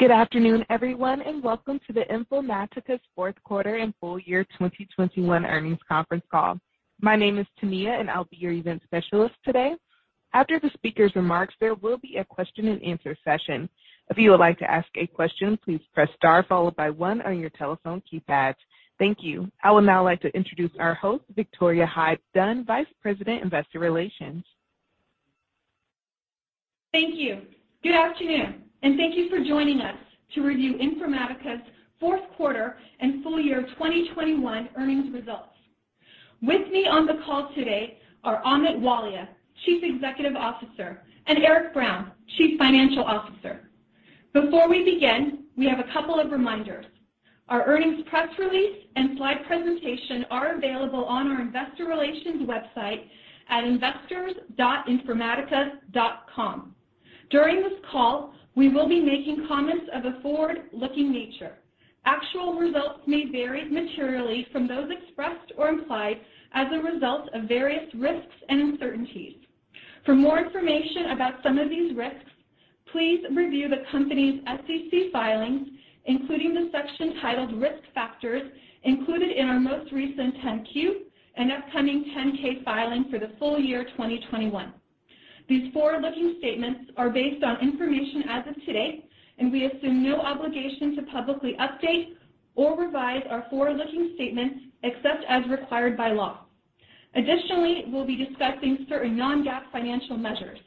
Good afternoon, everyone, and welcome to Informatica's Fourth Quarter and Full year 2021 Earnings Conference Call. My name is Tania, and I'll be your event specialist today. After the speaker's remarks, there will be a question-and-answer session. If you would like to ask a question, please press star followed by one on your telephone keypads. Thank you. I would now like to introduce our host, Victoria Hyde-Dunn, Vice President, Investor Relations. Thank you. Good afternoon, and thank you for joining us to review Informatica's Fourth Quarter and Full Year 2021 Earnings Results. With me on the call today are Amit Walia, Chief Executive Officer, and Eric Brown, Chief Financial Officer. Before we begin, we have a couple of reminders. Our earnings press release and slide presentation are available on our investor relations website at investors.informatica.com. During this call, we will be making comments of a forward-looking nature. Actual results may vary materially from those expressed or implied as a result of various risks and uncertainties. For more information about some of these risks, please review the company's SEC filings, including the section titled Risk Factors included in our most recent 10-Q and upcoming 10-K filing for the full year 2021. These forward-looking statements are based on information as of today, and we assume no obligation to publicly update or revise our forward-looking statements except as required by law. Additionally, we'll be discussing certain non-GAAP financial measures.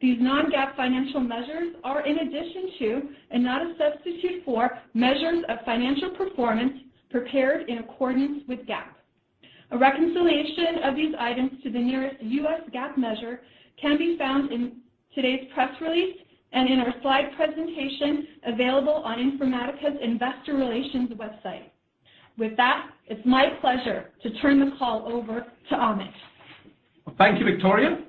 These non-GAAP financial measures are in addition to and not a substitute for measures of financial performance prepared in accordance with GAAP. A reconciliation of these items to the nearest U.S. GAAP measure can be found in today's press release and in our slide presentation available on Informatica's Investor Relations website. With that, it's my pleasure to turn the call over to Amit. Thank you, Victoria.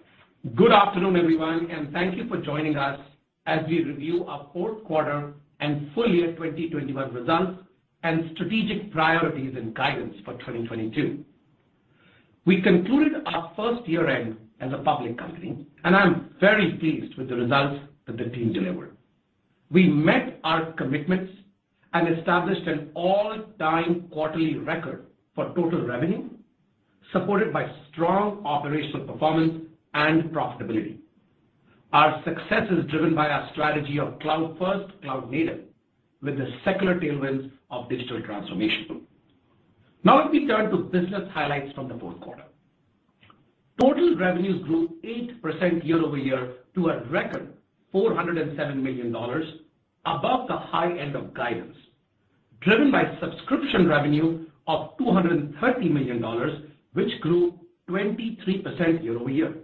Good afternoon, everyone, and thank you for joining us as we review our fourth quarter and full year 2021 results and strategic priorities and guidance for 2022. We concluded our first year-end as a public company, and I'm very pleased with the results that the team delivered. We met our commitments and established an all-time quarterly record for total revenue, supported by strong operational performance and profitability. Our success is driven by our strategy of cloud-first, cloud-native, with the secular tailwinds of digital transformation. Now let me turn to business highlights from the fourth quarter. Total revenues grew 8% year-over-year to a record $407 million, above the high end of guidance, driven by subscription revenue of $230 million, which grew 23% year-over-year.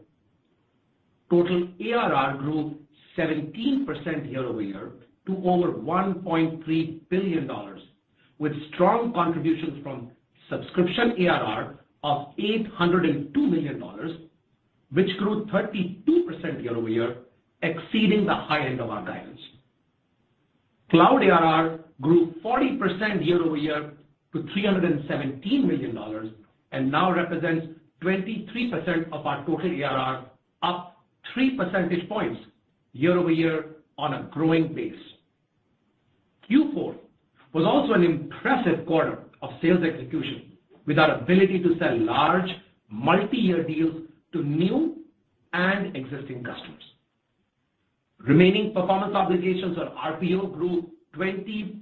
Total ARR grew 17% year-over-year to over $1.3 billion, with strong contributions from subscription ARR of $802 million, which grew 32% year-over-year, exceeding the high end of our guidance. Cloud ARR grew 40% year-over-year to $317 million and now represents 23% of our total ARR, up 3 percentage points year-over-year on a growing base. Q4 was also an impressive quarter of sales execution with our ability to sell large multi-year deals to new and existing customers. Remaining performance obligations, or RPO, grew 26%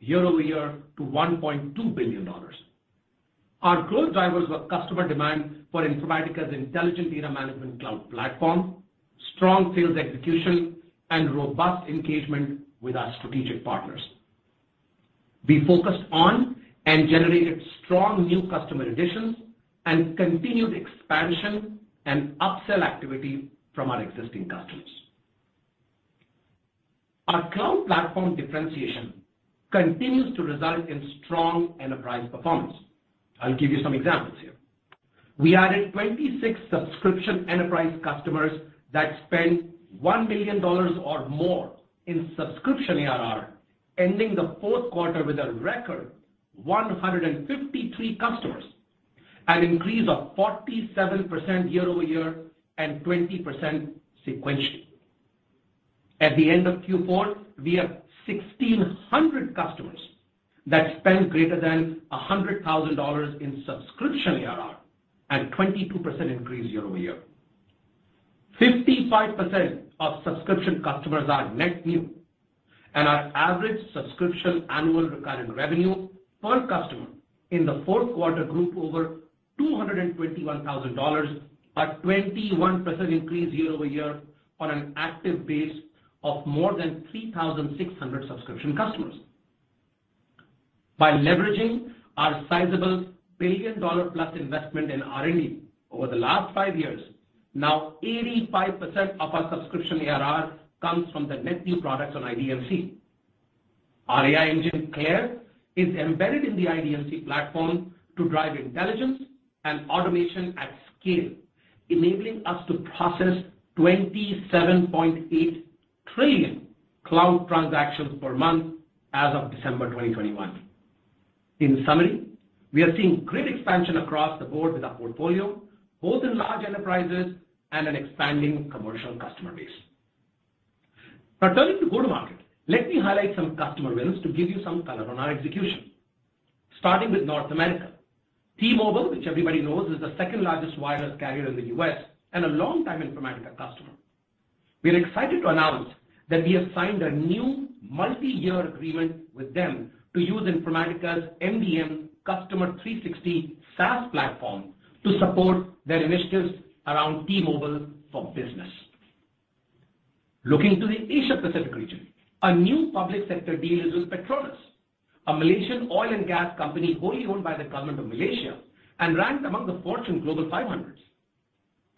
year-over-year to $1.2 billion. Our growth drivers were customer demand for Informatica's Intelligent Data Management Cloud platform, strong sales execution, and robust engagement with our strategic partners. We focused on and generated strong new customer additions and continued expansion and upsell activity from our existing customers. Our cloud platform differentiation continues to result in strong enterprise performance. I'll give you some examples here. We added 26 subscription enterprise customers that spent $1 million or more in subscription ARR, ending the fourth quarter with a record 153 customers, an increase of 47% year-over-year and 20% sequentially. At the end of Q4, we have 1,600 customers that spend greater than $100,000 in subscription ARR and 22% increase year-over-year. 55% of subscription customers are net new, and our average subscription annual recurring revenue per customer in the fourth quarter grew to over $221,000, a 21% increase year over year on an active base of more than 3,600 subscription customers. By leveraging our sizable billion-dollar-plus investment in R&D over the last five years, now 85% of our subscription ARR comes from the net new products on IDMC. Our AI engine, CLAIRE, is embedded in the IDMC platform to drive intelligence and automation at scale, enabling us to process 27.8 trillion cloud transactions per month as of December 2021. In summary, we are seeing great expansion across the board with our portfolio, both in large enterprises and an expanding commercial customer base. Now turning to go-to-market, let me highlight some customer wins to give you some color on our execution. Starting with North America. T-Mobile, which everybody knows is the second-largest wireless carrier in the U.S. and a long-time Informatica customer. We're excited to announce that we have signed a new multi-year agreement with them to use Informatica's MDM Customer 360 SaaS platform to support their initiatives around T-Mobile for business. Looking to the Asia Pacific region, a new public sector deal is with Petronas, a Malaysian oil and gas company wholly owned by the government of Malaysia and ranked among the Fortune Global 500.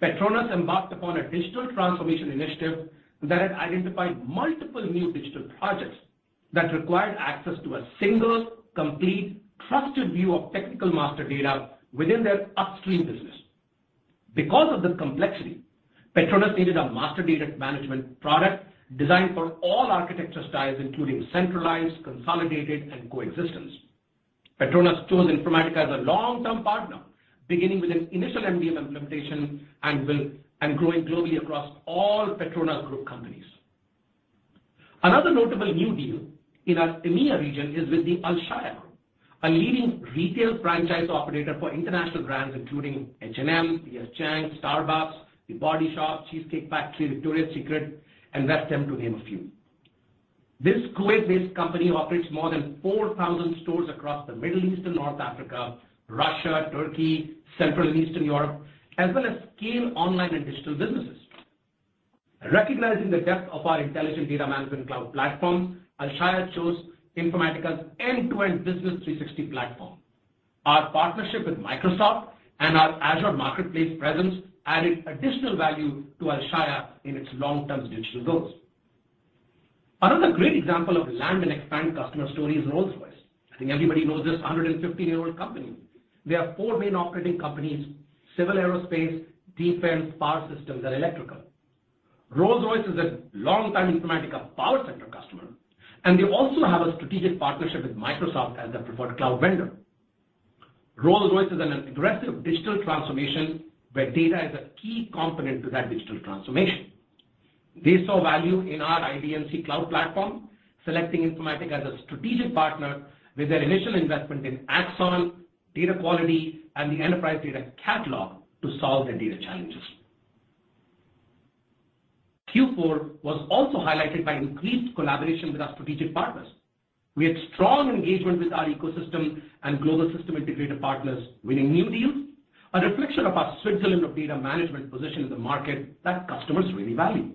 Petronas embarked upon a digital transformation initiative that had identified multiple new digital projects that required access to a single, complete, trusted view of technical master data within their upstream business. Because of the complexity, Petronas needed a master data management product designed for all architecture styles, including centralized, consolidated, and coexistence. Petronas chose Informatica as a long-term partner, beginning with an initial MDM implementation and growing globally across all Petronas group companies. Another notable new deal in our EMEA region is with the Alshaya Group, a leading retail franchise operator for international brands including H&M, P.F. Chang's, Starbucks, The Body Shop, The Cheesecake Factory, Victoria's Secret, and West Elm, to name a few. This Kuwait-based company operates more than 4,000 stores across the Middle East and North Africa, Russia, Turkey, and Central and Eastern Europe, as well as scaled online and digital businesses. Recognizing the depth of our Intelligent Data Management Cloud platform, Alshaya chose Informatica's end-to-end Business 360 platform. Our partnership with Microsoft and our Azure Marketplace presence added additional value to Alshaya in its long-term digital goals. Another great example of land and expand customer story is Rolls-Royce. I think everybody knows this 150-year-old company. They have four main operating companies: Civil Aerospace, Defense, Power Systems, and Electrical. Rolls-Royce is a long-time Informatica power sector customer, and they also have a strategic partnership with Microsoft as their preferred cloud vendor. Rolls-Royce is on an aggressive digital transformation where data is a key component to that digital transformation. They saw value in our IDMC cloud platform, selecting Informatica as a strategic partner with their initial investment in Axon, data quality, and the enterprise data catalog to solve their data challenges. Q4 was also highlighted by increased collaboration with our strategic partners. We had strong engagement with our ecosystem and global system integrator partners, winning new deals, a reflection of our sweet spot in the data management position in the market that customers really value.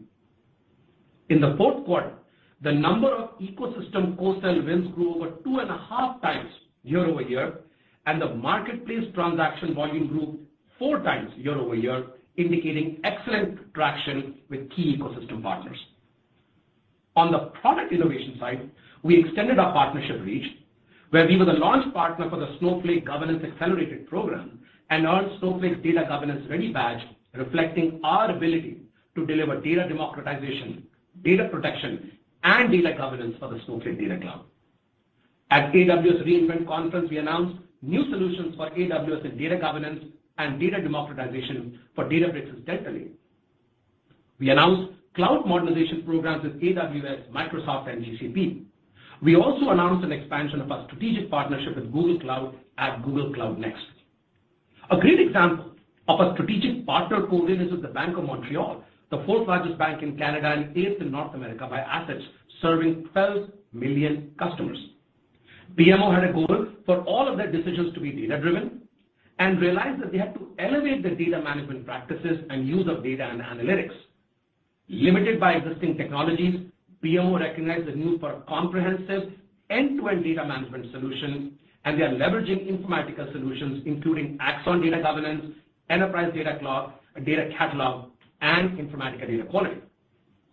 In the fourth quarter, the number of ecosystem co-sell wins grew over 2.5x year-over-year, and the marketplace transaction volume grew 4x year-over-year, indicating excellent traction with key ecosystem partners. On the product innovation side, we extended our partnership reach, where we were the launch partner for the Snowflake Governance Accelerated Program and earned Snowflake's Data Governance Ready badge, reflecting our ability to deliver data democratization, data protection, and data governance for the Snowflake Data Cloud. At AWS re:Invent conference, we announced new solutions for AWS in data governance and data democratization for databases and Delta Lake. We announced cloud modernization programs with AWS, Microsoft and GCP. We also announced an expansion of our strategic partnership with Google Cloud at Google Cloud Next. A great example of a strategic partner co-win is with the Bank of Montreal, the fourth-largest bank in Canada and eighth in North America by assets, serving 12 million customers. BMO had a goal for all of their decisions to be data-driven and realized that they had to elevate their data management practices and use of data and analytics. Limited by existing technologies, BMO recognized the need for a comprehensive end-to-end data management solution, and they are leveraging Informatica solutions, including Axon Data Governance, Enterprise Data Catalog, and Informatica Data Quality.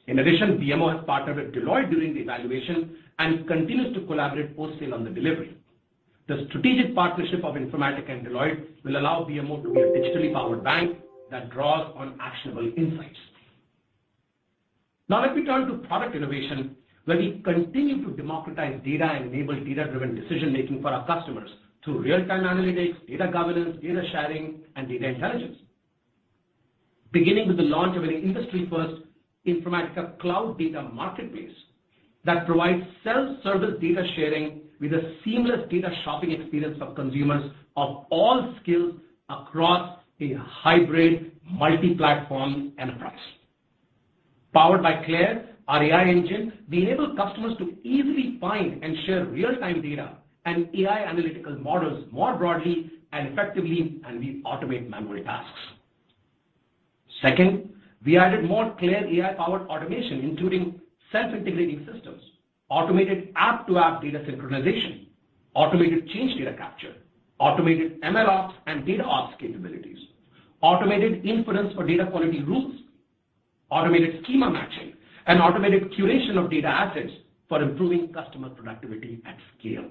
In addition, BMO has partnered with Deloitte during the evaluation and continues to collaborate post-sale on the delivery. The strategic partnership of Informatica and Deloitte will allow BMO to be a digitally powered bank that draws on actionable insights. Now let me turn to product innovation, where we continue to democratize data and enable data-driven decision-making for our customers through real-time analytics, data governance, data sharing, and data intelligence. Beginning with the launch of an industry-first Informatica Cloud Data Marketplace that provides self-service data sharing with a seamless data shopping experience for consumers of all skills across a hybrid multi-platform enterprise. Powered by CLAIRE, our AI engine, we enable customers to easily find and share real-time data and AI analytical models more broadly and effectively, and we automate manual tasks. Second, we added more CLAIRE AI-powered automation, including self-integrating systems, automated app-to-app data synchronization, automated change data capture, automated MLOps and DataOps capabilities, automated inference for data quality rules, automated schema matching, and automated curation of data assets for improving customer productivity at scale.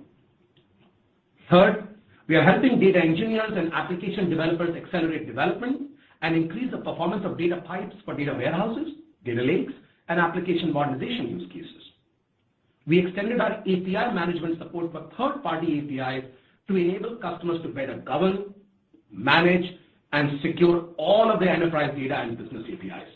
Third, we are helping data engineers and application developers accelerate development and increase the performance of data pipes for data warehouses, data lakes, and application modernization use cases. We extended our API management support for third-party APIs to enable customers to better govern, manage, and secure all of their enterprise data and business APIs.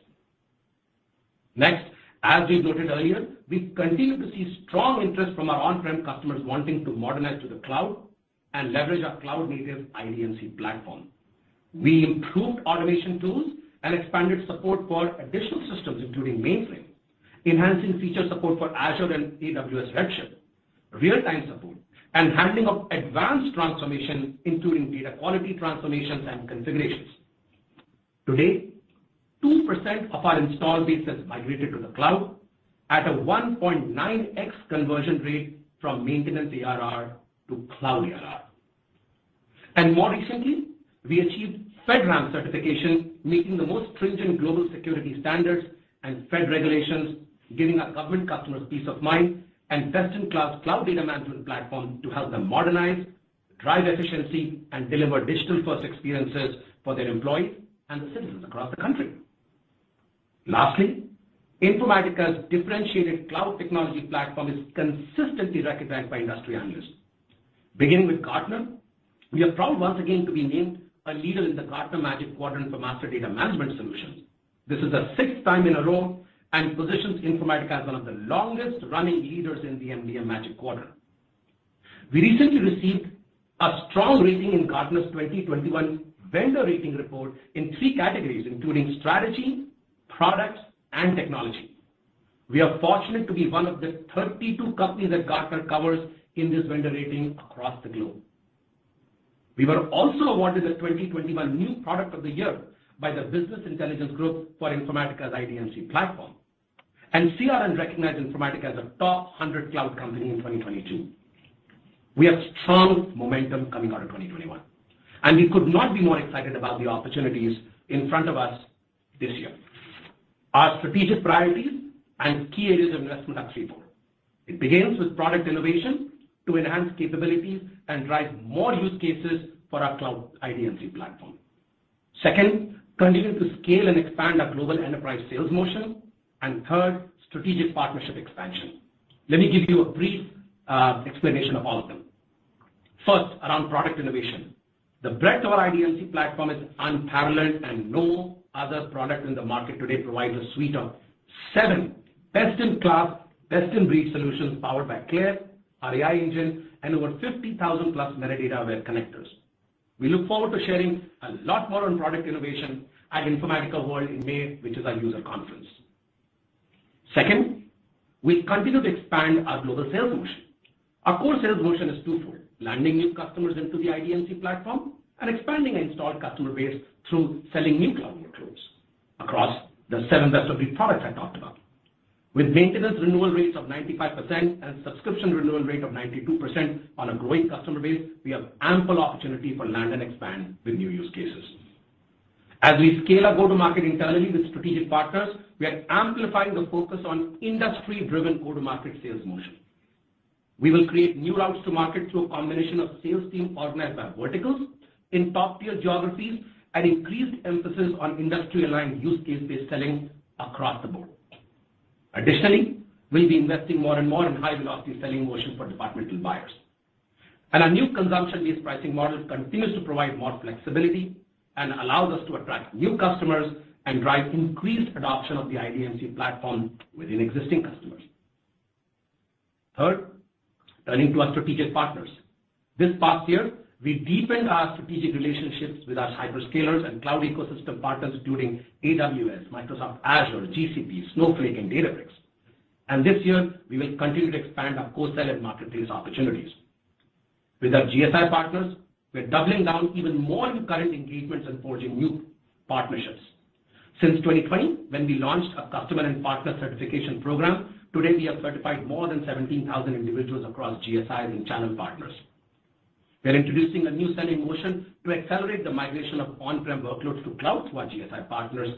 Next, as we noted earlier, we continue to see strong interest from our on-prem customers wanting to modernize to the cloud and leverage our cloud-native IDMC platform. We improved automation tools and expanded support for additional systems, including mainframe, enhancing feature support for Azure and AWS Redshift, real-time support, and handling of advanced transformation, including data quality transformations and configurations. To date, 2% of our install base has migrated to the cloud at a 1.9x conversion rate from maintenance ARR to cloud ARR. More recently, we achieved FedRAMP certification, meeting the most stringent global security standards and Fed regulations, giving our government customers peace of mind and a best-in-class cloud data management platform to help them modernize, drive efficiency, and deliver digital-first experiences for their employees and the citizens across the country. Lastly, Informatica's differentiated cloud technology platform is consistently recognized by industry analysts. Beginning with Gartner, we are proud once again to be named a leader in the Gartner Magic Quadrant for Master Data Management Solutions. This is the sixth time in a row and positions Informatica as one of the longest-running leaders in the MDM Magic Quadrant. We recently received a strong rating in Gartner's 2021 Vendor Rating Report in three categories, including strategy, products, and technology. We are fortunate to be one of the 32 companies that Gartner covers in this vendor rating across the globe. We were also awarded the 2021 New Product of the Year by the Business Intelligence Group for Informatica's IDMC platform. CRN recognized Informatica as a top 100 cloud company in 2022. We have strong momentum coming out of 2021, and we could not be more excited about the opportunities in front of us this year. Our strategic priorities and key areas of investment are threefold. It begins with product innovation to enhance capabilities and drive more use cases for our cloud IDMC platform. Second, continue to scale and expand our global enterprise sales motion. And third, strategic partnership expansion. Let me give you a brief explanation of all of them. First, around product innovation. The breadth of our IDMC platform is unparalleled, and no other product in the market today provides a suite of seven best-in-class, best-in-breed solutions powered by CLAIRE, our AI engine, and over 50,000+ metadata-aware connectors. We look forward to sharing a lot more on product innovation at Informatica World in May, which is our user conference. Second, we continue to expand our global sales motion. Our core sales motion is twofold: landing new customers into the IDMC platform and expanding the installed customer base through selling new cloud workloads across the seven best-of-breed products I talked about. With maintenance renewal rates of 95% and subscription renewal rate of 92% on a growing customer base, we have ample opportunity for land and expand with new use cases. As we scale our go-to-market internally with strategic partners, we are amplifying the focus on industry-driven go-to-market sales motion. We will create new routes to market through a combination of sales team organized by verticals in top-tier geographies and increased emphasis on industry-aligned, use case-based selling across the board. Additionally, we'll be investing more and more in high-velocity selling motion for departmental buyers. Our new consumption-based pricing model continues to provide more flexibility and allows us to attract new customers and drive increased adoption of the IDMC platform within existing customers. Third, turning to our strategic partners. This past year, we deepened our strategic relationships with our hyperscalers and cloud ecosystem partners, including AWS, Microsoft Azure, GCP, Snowflake, and Databricks. This year, we will continue to expand our co-sell and marketplace opportunities. With our GSI partners, we're doubling down even more on current engagements and forging new partnerships. Since 2020, when we launched our customer and partner certification program, today, we have certified more than 17,000 individuals across GSIs and channel partners. We're introducing a new selling motion to accelerate the migration of on-prem workloads to cloud through our GSI partners.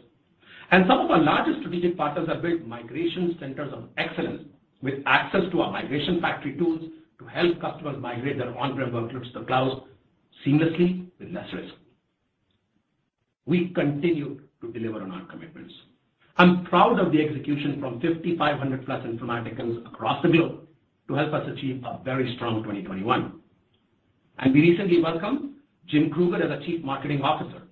Some of our largest strategic partners have built migration centers of excellence with access to our migration factory tools to help customers migrate their on-prem workloads to cloud seamlessly with less risk. We continue to deliver on our commitments. I'm proud of the execution from 5,500+ Informaticans across the globe to help us achieve a very strong 2021. We recently welcomed Jim Kruger as our Chief Marketing Officer.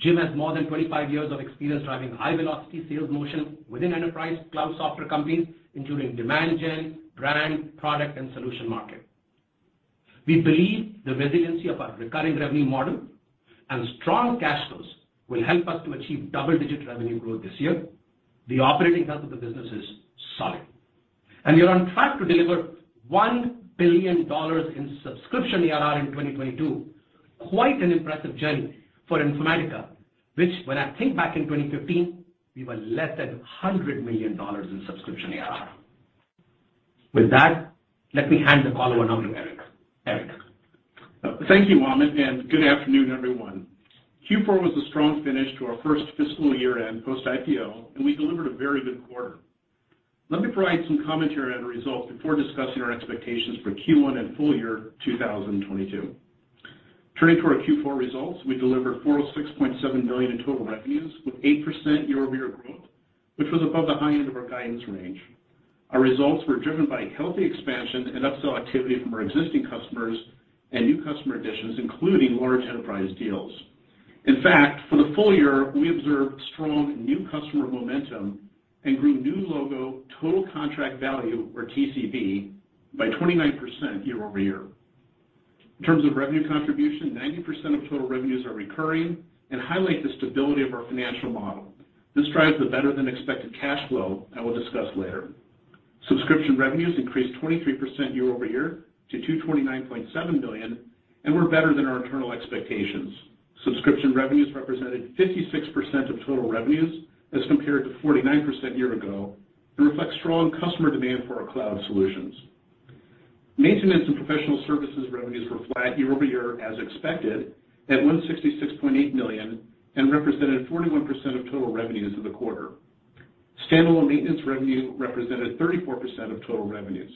Jim has more than 25 years of experience driving high-velocity sales motion within enterprise cloud software companies, including demand gen, brand, product, and solution market. We believe the resiliency of our recurring revenue model and strong cash flows will help us to achieve double-digit revenue growth this year. The operating health of the business is solid. We are on track to deliver $1 billion in subscription ARR in 2022. Quite an impressive journey for Informatica, which, when I think back in 2015, we were less than $100 million in subscription ARR. With that, let me hand the call over now to Eric. Eric? Thank you, Amit, and good afternoon, everyone. Q4 was a strong finish to our first fiscal year-end post-IPO, and we delivered a very good quarter. Let me provide some commentary on the results before discussing our expectations for Q1 and full-year 2022. Turning to our Q4 results, we delivered $406.7 million in total revenues with 8% year-over-year growth, which was above the high end of our guidance range. Our results were driven by healthy expansion and upsell activity from our existing customers and new customer additions, including large enterprise deals. In fact, for the full year, we observed strong new customer momentum and grew new logo total contract value, or TCV, by 29% year over year. In terms of revenue contribution, 90% of total revenues are recurring and highlight the stability of our financial model. This drives the better-than-expected cash flow I will discuss later. Subscription revenues increased 23% year-over-year to $229.7 million and were better than our internal expectations. Subscription revenues represented 56% of total revenues as compared to 49% a year ago and reflect strong customer demand for our cloud solutions. Maintenance and professional services revenues were flat year-over-year as expected at $166.8 million and represented 41% of total revenues of the quarter. Standalone maintenance revenue represented 34% of total revenues.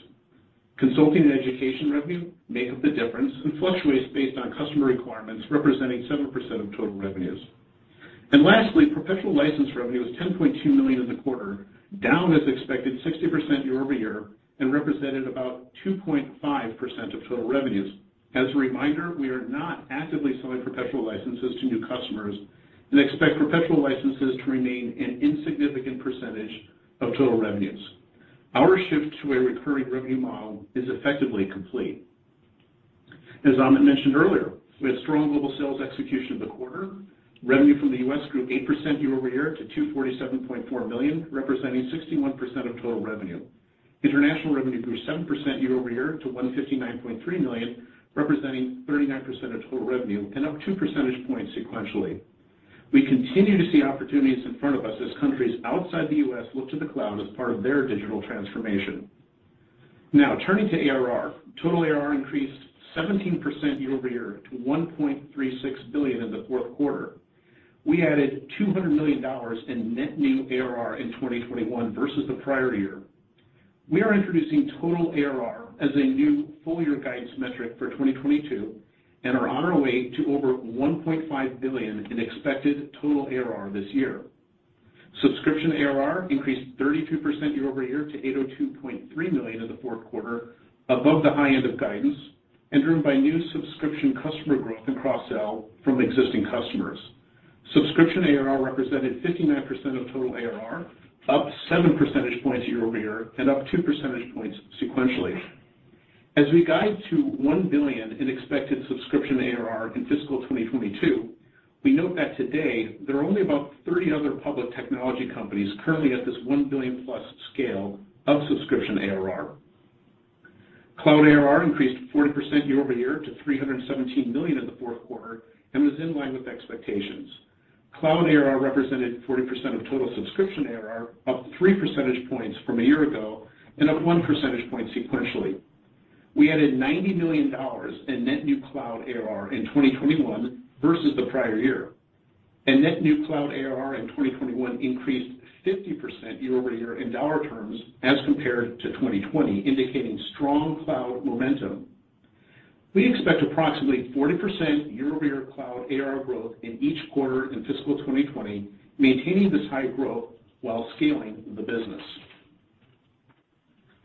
Consulting and education revenue make up the difference and fluctuates based on customer requirements, representing 7% of total revenues. Lastly, perpetual license revenue was $10.2 million in the quarter, down as expected 60% year-over-year, and represented about 2.5% of total revenues. As a reminder, we are not actively selling perpetual licenses to new customers and expect perpetual licenses to remain an insignificant percentage of total revenues. Our shift to a recurring revenue model is effectively complete. As Amit mentioned earlier, we had strong global sales execution in the quarter. Revenue from the U.S. grew 8% year-over-year to $247.4 million, representing 61% of total revenue. International revenue grew 7% year-over-year to $159.3 million, representing 39% of total revenue and up 2 percentage points sequentially. We continue to see opportunities in front of us as countries outside the U.S. look to the cloud as part of their digital transformation. Now turning to ARR. Total ARR increased 17% year-over-year to $1.36 billion in the fourth quarter. We added $200 million in net new ARR in 2021 versus the prior year. We are introducing total ARR as a new full year guidance metric for 2022 and are on our way to over $1.5 billion in expected total ARR this year. Subscription ARR increased 32% year-over-year to $802.3 million in the fourth quarter, above the high end of guidance and driven by new subscription customer growth and cross-sell from existing customers. Subscription ARR represented 59% of total ARR, up seven percentage points year-over-year and up 2 percentage points sequentially. As we guide to $1 billion in expected subscription ARR in fiscal 2022, we note that today there are only about 30 other public technology companies currently at this 1 billion+ scale of subscription ARR. Cloud ARR increased 40% year-over-year to $317 million in the fourth quarter and was in line with expectations. Cloud ARR represented 40% of total subscription ARR, up 3 percentage points from a year ago and up 1 percentage point sequentially. We added $90 million in net new cloud ARR in 2021 versus the prior year, and net new cloud ARR in 2021 increased 50% year-over-year in dollar terms as compared to 2020, indicating strong cloud momentum. We expect approximately 40% year-over-year cloud ARR growth in each quarter in fiscal 2020, maintaining this high growth while scaling the business.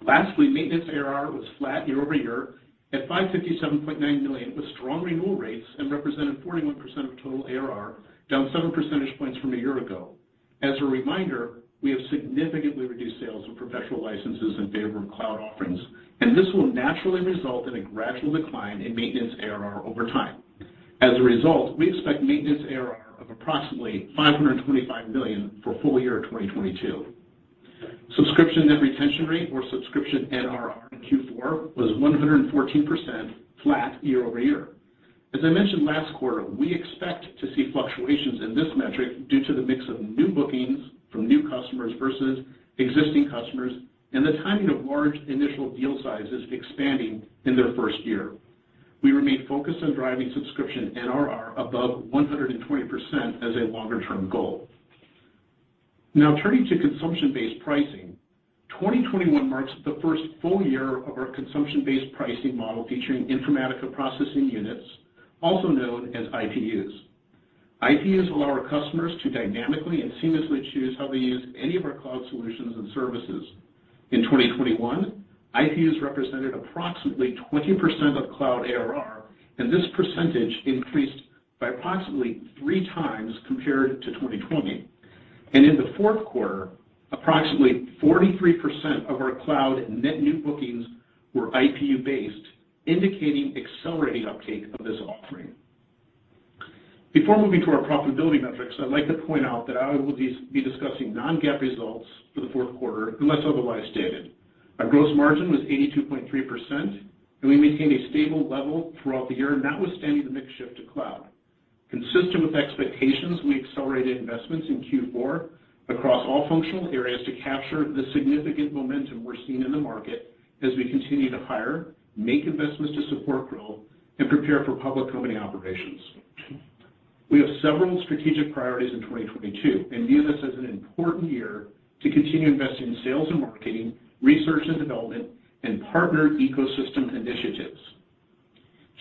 Lastly, maintenance ARR was flat year-over-year at $557.9 million, with strong renewal rates, and represented 41% of total ARR, down 7 percentage points from a year ago. As a reminder, we have significantly reduced sales of professional licenses in favor of cloud offerings, and this will naturally result in a gradual decline in maintenance ARR over time. As a result, we expect maintenance ARR of approximately $525 million for full year 2022. Subscription net retention rate, or subscription NRR, in Q4 was 114%, flat year-over-year. As I mentioned last quarter, we expect to see fluctuations in this metric due to the mix of new bookings from new customers versus existing customers and the timing of large initial deal sizes expanding in their first year. We remain focused on driving subscription NRR above 120% as a longer-term goal. Now turning to consumption-based pricing. 2021 marks the first full year of our consumption-based pricing model featuring Informatica Processing Units, also known as IPUs. IPUs allow our customers to dynamically and seamlessly choose how they use any of our cloud solutions and services. In 2021, IPUs represented approximately 20% of cloud ARR, and this percentage increased by approximately 3x compared to 2020. In the fourth quarter, approximately 43% of our cloud net new bookings were IPU-based, indicating accelerating uptake of this offering. Before moving to our profitability metrics, I'd like to point out that I will be discussing non-GAAP results for the fourth quarter unless otherwise stated. Our gross margin was 82.3%, and we maintained a stable level throughout the year notwithstanding the mix shift to cloud. Consistent with expectations, we accelerated investments in Q4 across all functional areas to capture the significant momentum we're seeing in the market as we continue to hire, make investments to support growth and prepare for public company operations. We have several strategic priorities in 2022 and view this as an important year to continue investing in sales and marketing, research and development, and partner ecosystem initiatives.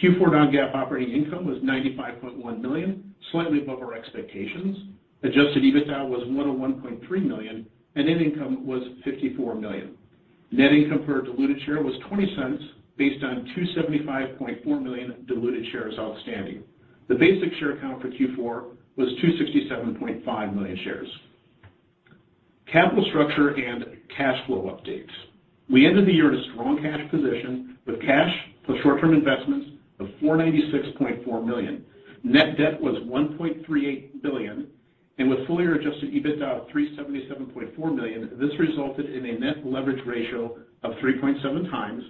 Q4 non-GAAP operating income was $95.1 million, slightly above our expectations. Adjusted EBITDA was $101.3 million, and net income was $54 million. Net income per diluted share was $0.20 based on 275.4 million diluted shares outstanding. The basic share count for Q4 was 267.5 million shares. Capital structure and cash flow updates. We ended the year in a strong cash position with cash plus short-term investments of $496.4 million. Net debt was $1.38 billion, and with full-year Adjusted EBITDA of $377.4 million, this resulted in a net leverage ratio of 3.7x,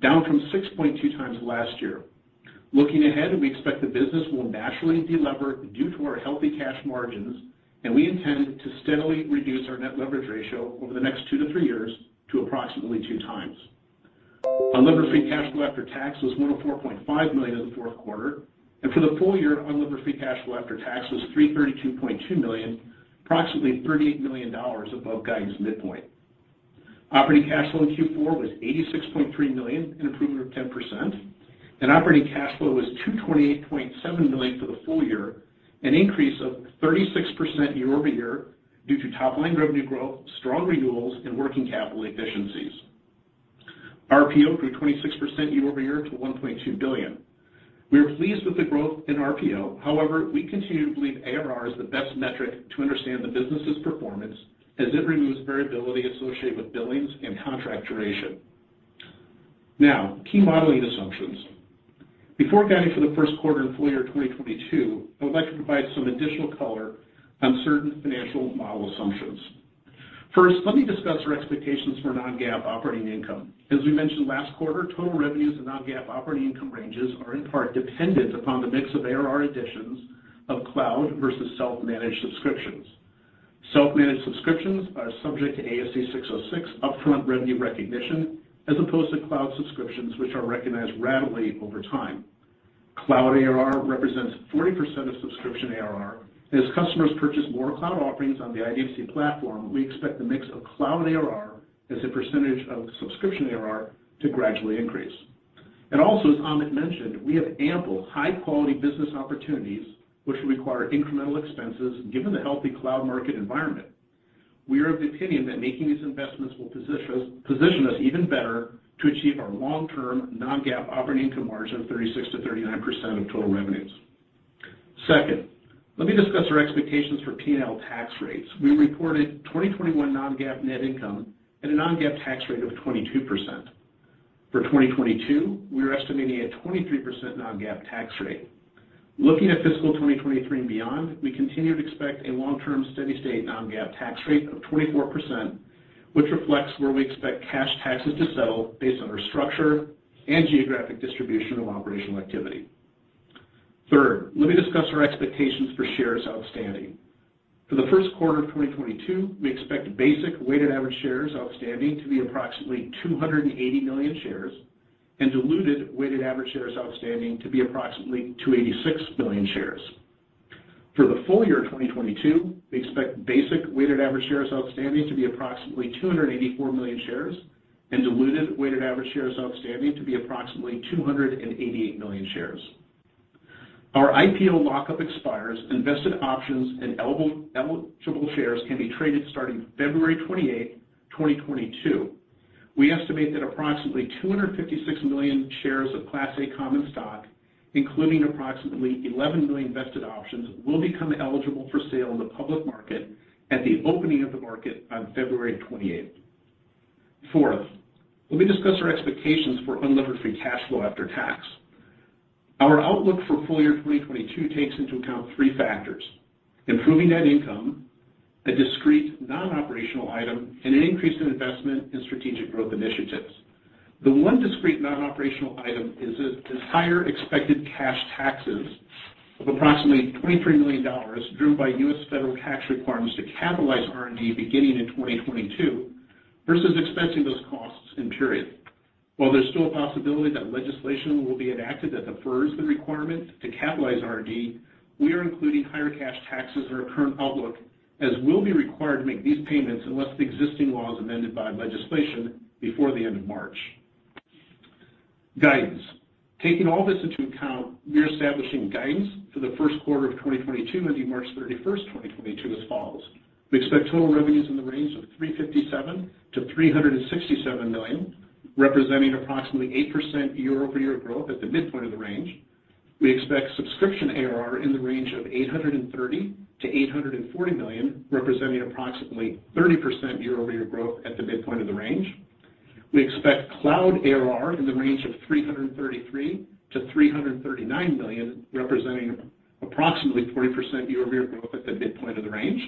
down from 6.2x last year. Looking ahead, we expect the business will naturally delever due to our healthy cash margins, and we intend to steadily reduce our net leverage ratio over the next two to three years to approximately 2x. Unlevered free cash flow after tax was $104.5 million in the fourth quarter, and for the full year, unlevered free cash flow after tax was $332.2 million, approximately $38 million above guidance midpoint. Operating cash flow in Q4 was $86.3 million, an improvement of 10%. Operating cash flow was $228.7 million for the full year, an increase of 36% year-over-year due to top-line revenue growth, strong renewals, and working capital efficiencies. RPO grew 26% year-over-year to $1.2 billion. We are pleased with the growth in RPO. However, we continue to believe ARR is the best metric to understand the business's performance, as it removes variability associated with billings and contract duration. Now, key modeling assumptions. Before guiding for the first quarter and full year 2022, I would like to provide some additional color on certain financial model assumptions. First, let me discuss our expectations for non-GAAP operating income. As we mentioned last quarter, total revenues and non-GAAP operating income ranges are in part dependent upon the mix of ARR additions of cloud versus self-managed subscriptions. Self-managed subscriptions are subject to ASC 606 upfront revenue recognition, as opposed to cloud subscriptions, which are recognized ratably over time. Cloud ARR represents 40% of subscription ARR. As customers purchase more cloud offerings on the IDMC platform, we expect the mix of cloud ARR as a percentage of subscription ARR to gradually increase. As Amit mentioned, we have ample high-quality business opportunities which require incremental expenses given the healthy cloud market environment. We are of the opinion that making these investments will position us even better to achieve our long-term non-GAAP operating income margin of 36%-39% of total revenues. Second, let me discuss our expectations for P&L tax rates. We reported 2021 non-GAAP net income at a non-GAAP tax rate of 22%. For 2022, we are estimating a 23% non-GAAP tax rate. Looking at fiscal 2023 and beyond, we continue to expect a long-term steady-state non-GAAP tax rate of 24%, which reflects where we expect cash taxes to settle based on our structure and geographic distribution of operational activity. Third, let me discuss our expectations for shares outstanding. For the first quarter of 2022, we expect basic weighted average shares outstanding to be approximately 280 million shares and diluted weighted average shares outstanding to be approximately 286 million shares. For the full year 2022, we expect basic weighted average shares outstanding to be approximately 284 million shares and diluted weighted average shares outstanding to be approximately 288 million shares. Our IPO lock-up expires, and vested options and eligible shares can be traded starting February 28, 2022. We estimate that approximately 256 million shares of Class A common stock, including approximately 11 million vested options, will become eligible for sale in the public market at the opening of the market on February 28. Fourth, let me discuss our expectations for unlevered free cash flow after tax. Our outlook for full year 2022 takes into account three factors: improving net income, a discrete non-operational item, and an increase in investment in strategic growth initiatives. The one discrete non-operational item is the higher expected cash taxes of approximately $23 million, driven by U.S. federal tax requirements to capitalize R&D beginning in 2022 versus expensing those costs in period. While there's still a possibility that legislation will be enacted that defers the requirement to capitalize R&D, we are including higher cash taxes in our current outlook, as we'll be required to make these payments unless the existing law is amended by legislation before the end of March. Guidance. Taking all this into account, we are establishing guidance for the first quarter of 2022, ending March 31, 2022, as follows. We expect total revenues in the range of $357 million-$367 million, representing approximately 8% year-over-year growth at the midpoint of the range. We expect subscription ARR in the range of $830 million-$840 million, representing approximately 30% year-over-year growth at the midpoint of the range. We expect cloud ARR in the range of $333 million-$339 million, representing approximately 40% year-over-year growth at the midpoint of the range.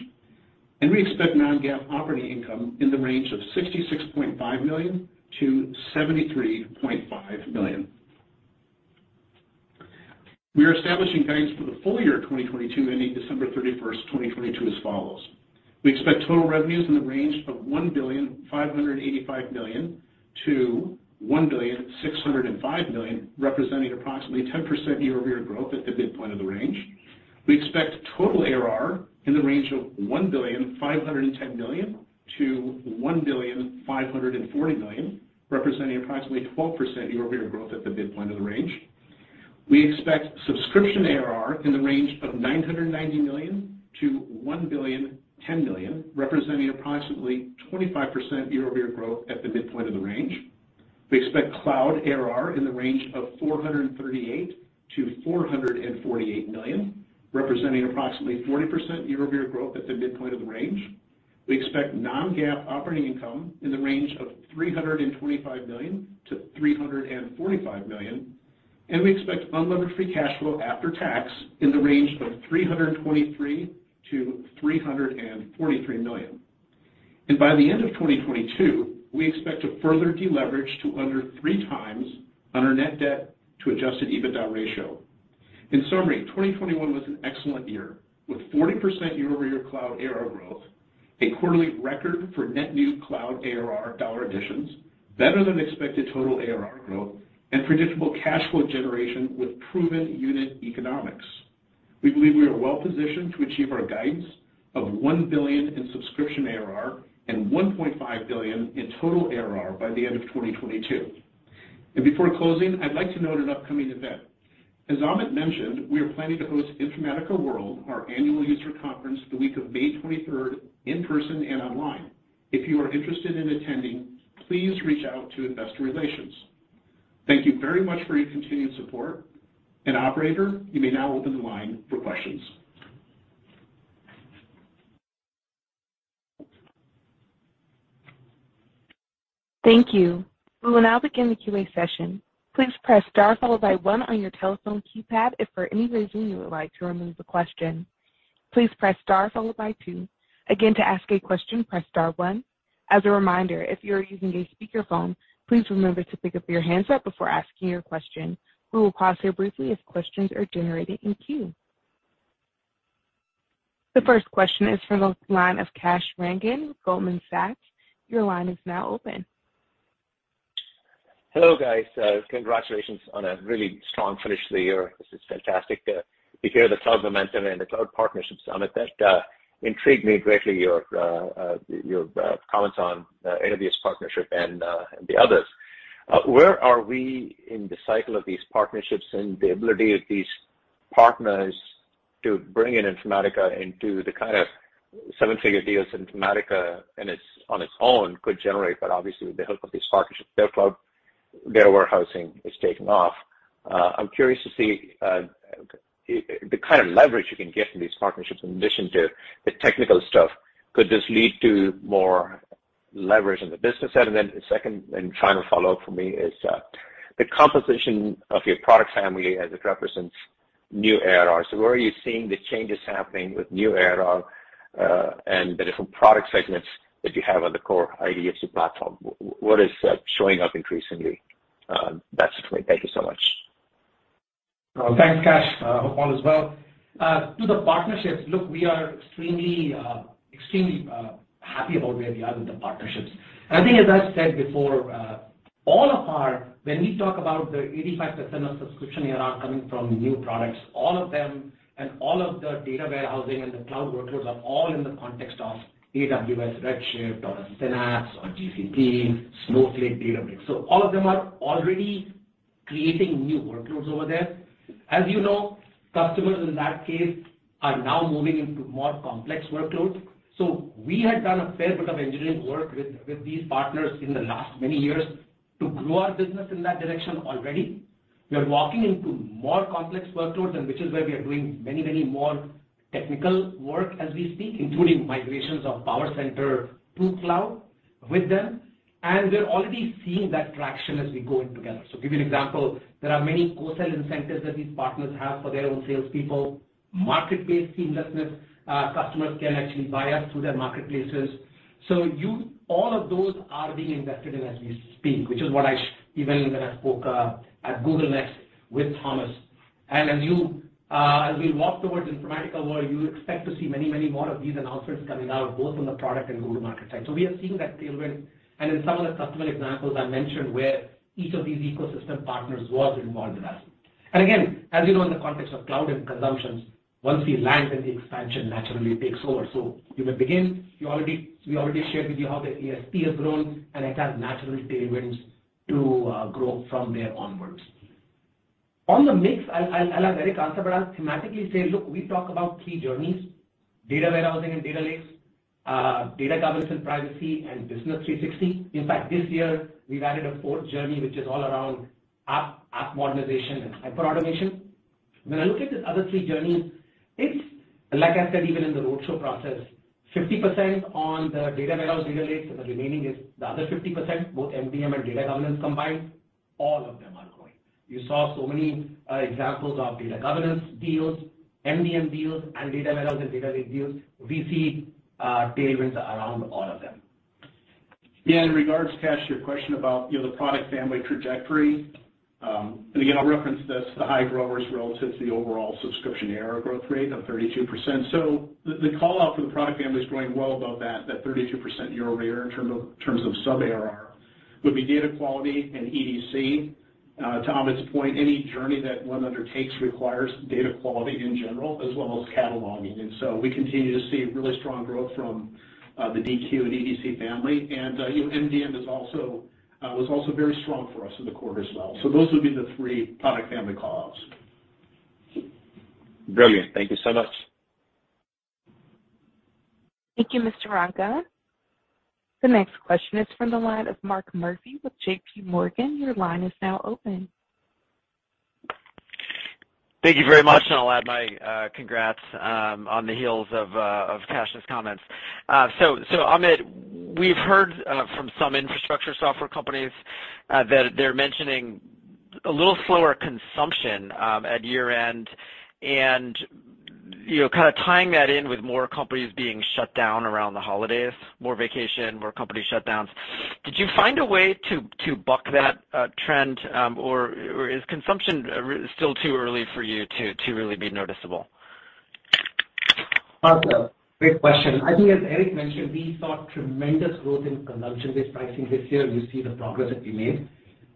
We expect non-GAAP operating income in the range of $66.5 million-$73.5 million. We are establishing guidance for the full year 2022, ending December 31, 2022, as follows. We expect total revenues in the range of $1.585 billion-$1.605 billion, representing approximately 10% year-over-year growth at the midpoint of the range. We expect total ARR in the range of $1.510 billion-$1.540 billion, representing approximately 12% year-over-year growth at the midpoint of the range. We expect subscription ARR in the range of $990 million-$1.01 billion, representing approximately 25% year-over-year growth at the midpoint of the range. We expect cloud ARR in the range of $438 million-$448 million, representing approximately 40% year-over-year growth at the midpoint of the range. We expect non-GAAP operating income in the range of $325 million-$345 million, and we expect unlevered free cash flow after tax in the range of $323 million-$343 million. By the end of 2022, we expect to further deleverage to under 3x on our net debt to Adjusted EBITDA ratio. In summary, 2021 was an excellent year with 40% year-over-year cloud ARR growth, a quarterly record for net new cloud ARR dollar additions, better-than-expected total ARR growth, and predictable cash flow generation with proven unit economics. We believe we are well-positioned to achieve our guidance of $1 billion in subscription ARR and $1.5 billion in total ARR by the end of 2022. Before closing, I'd like to note an upcoming event. As Amit mentioned, we are planning to host Informatica World, our annual user conference, the week of May 23 in person and online. If you are interested in attending, please reach out to investor relations. Thank you very much for your continued support. Operator, you may now open the line for questions. Thank you. We will now begin the Q&A session. Please press star followed by one on your telephone keypad if for any reason you would like to remove a question. Please press star followed by two. Again, to ask a question, press star one. As a reminder, if you are using a speakerphone, please remember to pick up your handset before asking your question. We will pause here briefly while questions are gathered in the queue. The first question is from the line of Kash Rangan, Goldman Sachs. Your line is now open. Hello, guys. Congratulations on a really strong finish to the year. This is fantastic to hear the cloud momentum and the cloud partnerships, Amit; that intrigued me greatly, your comments on AWS partnership and the others. Where are we in the cycle of these partnerships and the ability of these partners to bring in Informatica into the kind of seven-figure deals Informatica and its own could generate, but obviously with the help of these partnerships, their cloud, and their warehousing is taking off? I'm curious to see the kind of leverage you can get from these partnerships in addition to the technical stuff. Could this lead to more leverage on the business side? Then the second and final follow-up for me is the composition of your product family as it represents new ARR. Where are you seeing the changes happening with new ARR and the different product segments that you have on the core IDMC platform? What is showing up increasingly? That's it for me. Thank you so much. Thanks, Kash. Hope all is well. To the partnerships, look, we are extremely happy about where we are with the partnerships. I think, as I said before, when we talk about the 85% of subscription ARR coming from new products, all of them and all of the data warehousing and the cloud workloads are all in the context of AWS Redshift or Synapse or GCP, Snowflake, Databricks. All of them are already creating new workloads over there. As you know, customers in that case are now moving into more complex workloads. We had done a fair bit of engineering work with these partners in the last many years to grow our business in that direction already. We are walking into more complex workloads, and which is where we are doing many, many more technical work as we speak, including migrations of PowerCenter to cloud with them. We're already seeing that traction as we go in together. Give you an example, there are many co-sell incentives that these partners have for their own salespeople. Marketplace seamlessness: customers can actually buy us through their marketplaces. All of those are being invested in as we speak, even when I spoke at Google Next with Thomas. As you, as we walk towards Informatica World, you expect to see many, many more of these announcements coming out, both on the product and go-to-market side. We are seeing that tailwind, and in some of the customer examples I mentioned where each of these ecosystem partners was involved with us. Again, as you know, in the context of cloud and consumption, once we land, then the expansion naturally takes over. We may begin. We already shared with you how the ASP has grown, and it has natural tailwinds to grow from there onwards. On the mix, I'll agree with Kash, but I'll thematically say, look, we talk about three journeys: data warehousing and data lakes, data governance and privacy, and Business 360. In fact, this year, we've added a fourth journey, which is all around app modernization and hyperautomation. When I look at the other three journeys, it's like I said, even in the roadshow process, 50% on the data warehouse, data lakes, the remaining is the other 50%, both MDM and data governance combined; all of them are growing. You saw so many examples of data governance deals, MDM deals, and data warehouse and data lake deals. We see tailwinds around all of them. Yeah. In regard to Kash, your question about, you know, the product family trajectory, and again, I'll reference this, the high growers relative to the overall subscription ARR growth rate of 32%. The callout for the product family is growing well above that 32% year-over-year in terms of sub ARR would be data quality and EDC. To Amit's point, any journey that one undertakes requires data quality in general as well as cataloging. We continue to see really strong growth from the DQ and EDC family. You know, MDM was also very strong for us in the quarter as well. Those would be the three product family callouts. Brilliant. Thank you so much. Thank you, Mr. Rangan. The next question is from the line of Mark Murphy with J.P. Morgan. Your line is now open. Thank you very much, and I'll add my congrats on the heels of Kash's comments. Amit, we've heard from some infrastructure software companies that they're mentioning a little slower consumption at year-end and, you know, kind of tying that in with more companies being shut down around the holidays, more vacation, more company shutdowns. Did you find a way to buck that trend, or is consumption still too early for you to really be noticeable? Mark, great question. I think, as Eric mentioned, we saw tremendous growth in consumption-based pricing this year, and you see the progress that we made.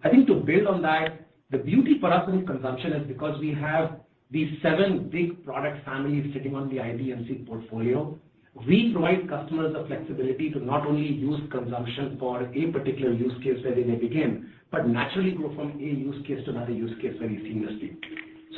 I think to build on that, the beauty for us in consumption is because we have these seven big product families sitting on the IDMC portfolio. We provide customers the flexibility to not only use consumption for a particular use case where they may begin, but naturally grow from a use case to another use case very seamlessly.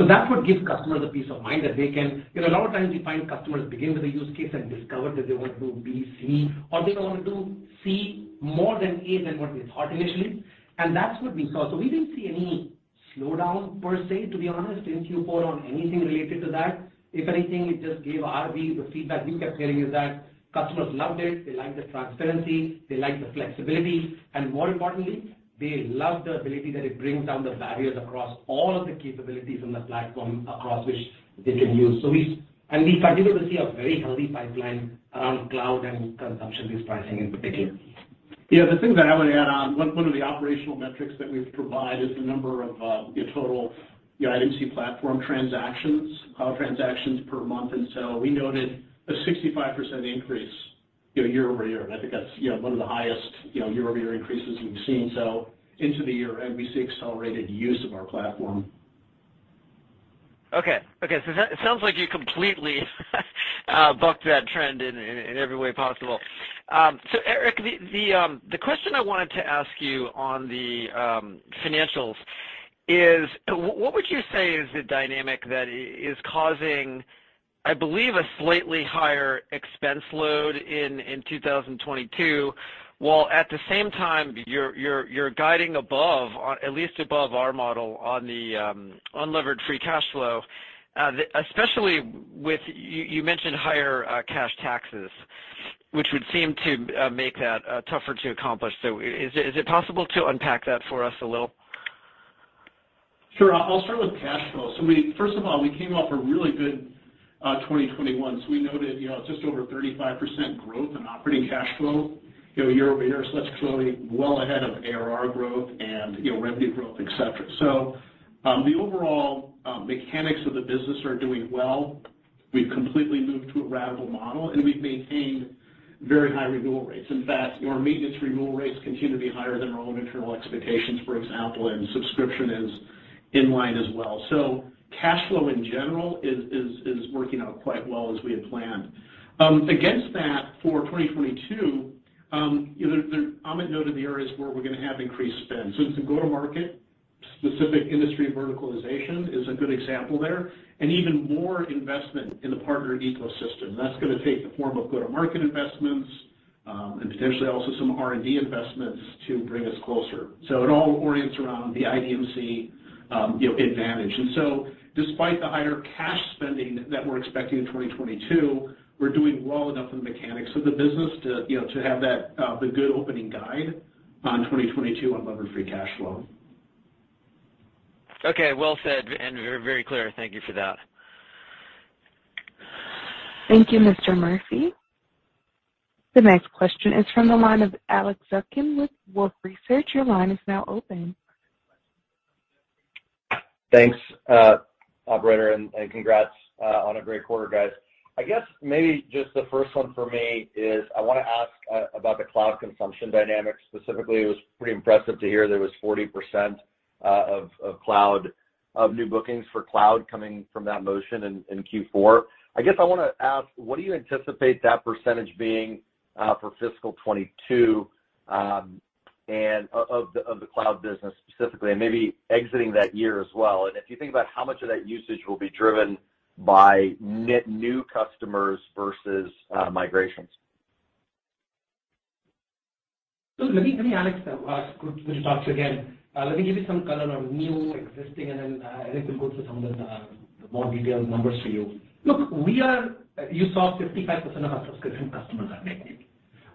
That's what gives customers the peace of mind that they can. You know, a lot of times we find customers begin with a use case and discover that they want to do B, C, or they want to do C more than A than what we thought initially, and that's what we saw. We didn't see any slowdown per se, to be honest, in Q4 on anything related to that. If anything, it just gave us the feedback we kept hearing: that customers loved it. They liked the transparency. They liked the flexibility, and more importantly, they loved the ability that it brings down the barriers across all of the capabilities in the platform across which they can use. We continue to see a very healthy pipeline around cloud and consumption-based pricing in particular. Yeah. The thing that I would add on, is one of the operational metrics that we've provided is the number of, you know, total, you know, IDMC platform transactions, cloud transactions per month. We noted a 65% increase, you know, year-over-year. I think that's, you know, one of the highest, you know, year-over-year increases we've seen. Into the year, we see accelerated use of our platform. Okay, so it sounds like you completely bucked that trend in every way possible. Eric, the question I wanted to ask you on the financials is what would you say is the dynamic that is causing, I believe, a slightly higher expense load in 2022, while at the same time you're guiding above on, at least above our model on the unlevered free cash flow? Especially with you mentioned higher cash taxes, which would seem to make that tougher to accomplish. Is it possible to unpack that for us a little? Sure. I'll start with cash flow. First of all, we came off a really good 2021. We noted, you know, just over 35% growth in operating cash flow, you know, year-over-year. That's clearly well ahead of ARR growth and, you know, revenue growth, et cetera. The overall mechanics of the business are doing well. We've completely moved to a SaaS model, and we've maintained very high renewal rates. In fact, our maintenance renewal rates continue to be higher than our own internal expectations, for example, and subscription is in line as well. Cash flow in general is working out quite well, as we had planned. Against that for 2022, you know, Amit noted the areas where we're gonna have increased spend. It's the go-to-market specific industry verticalization is a good example there, and even more investment in the partner ecosystem. That's gonna take the form of go-to-market investments, and potentially also some R&D investments to bring us closer. It all orients around the IDMC, you know, advantage. Despite the higher cash spending that we're expecting in 2022, we're doing well enough in the mechanics of the business to, you know, to have that, the good opening guide on 2022 unlevered free cash flow. Okay. Well said, and very clear. Thank you for that. Thank you, Mr. Murphy. The next question is from the line of Alex Zukin with Wolfe Research. Your line is now open. Thanks, operator, and congrats on a great quarter, guys. I guess maybe just the first one for me is I wanna ask about the cloud consumption dynamics specifically. It was pretty impressive to hear there was 40% of new bookings for cloud coming from that motion in Q4. I guess I wanna ask, what do you anticipate that percentage being for fiscal 2022, and of the cloud business specifically, and maybe exiting that year as well? If you think about how much of that usage will be driven by net new customers versus migrations. Let me, Alex, good to talk to you again. Let me give you some color on new, existing, and then Eric will go through some of the more detailed numbers for you. Look, you saw 55% of our subscription customers are net new.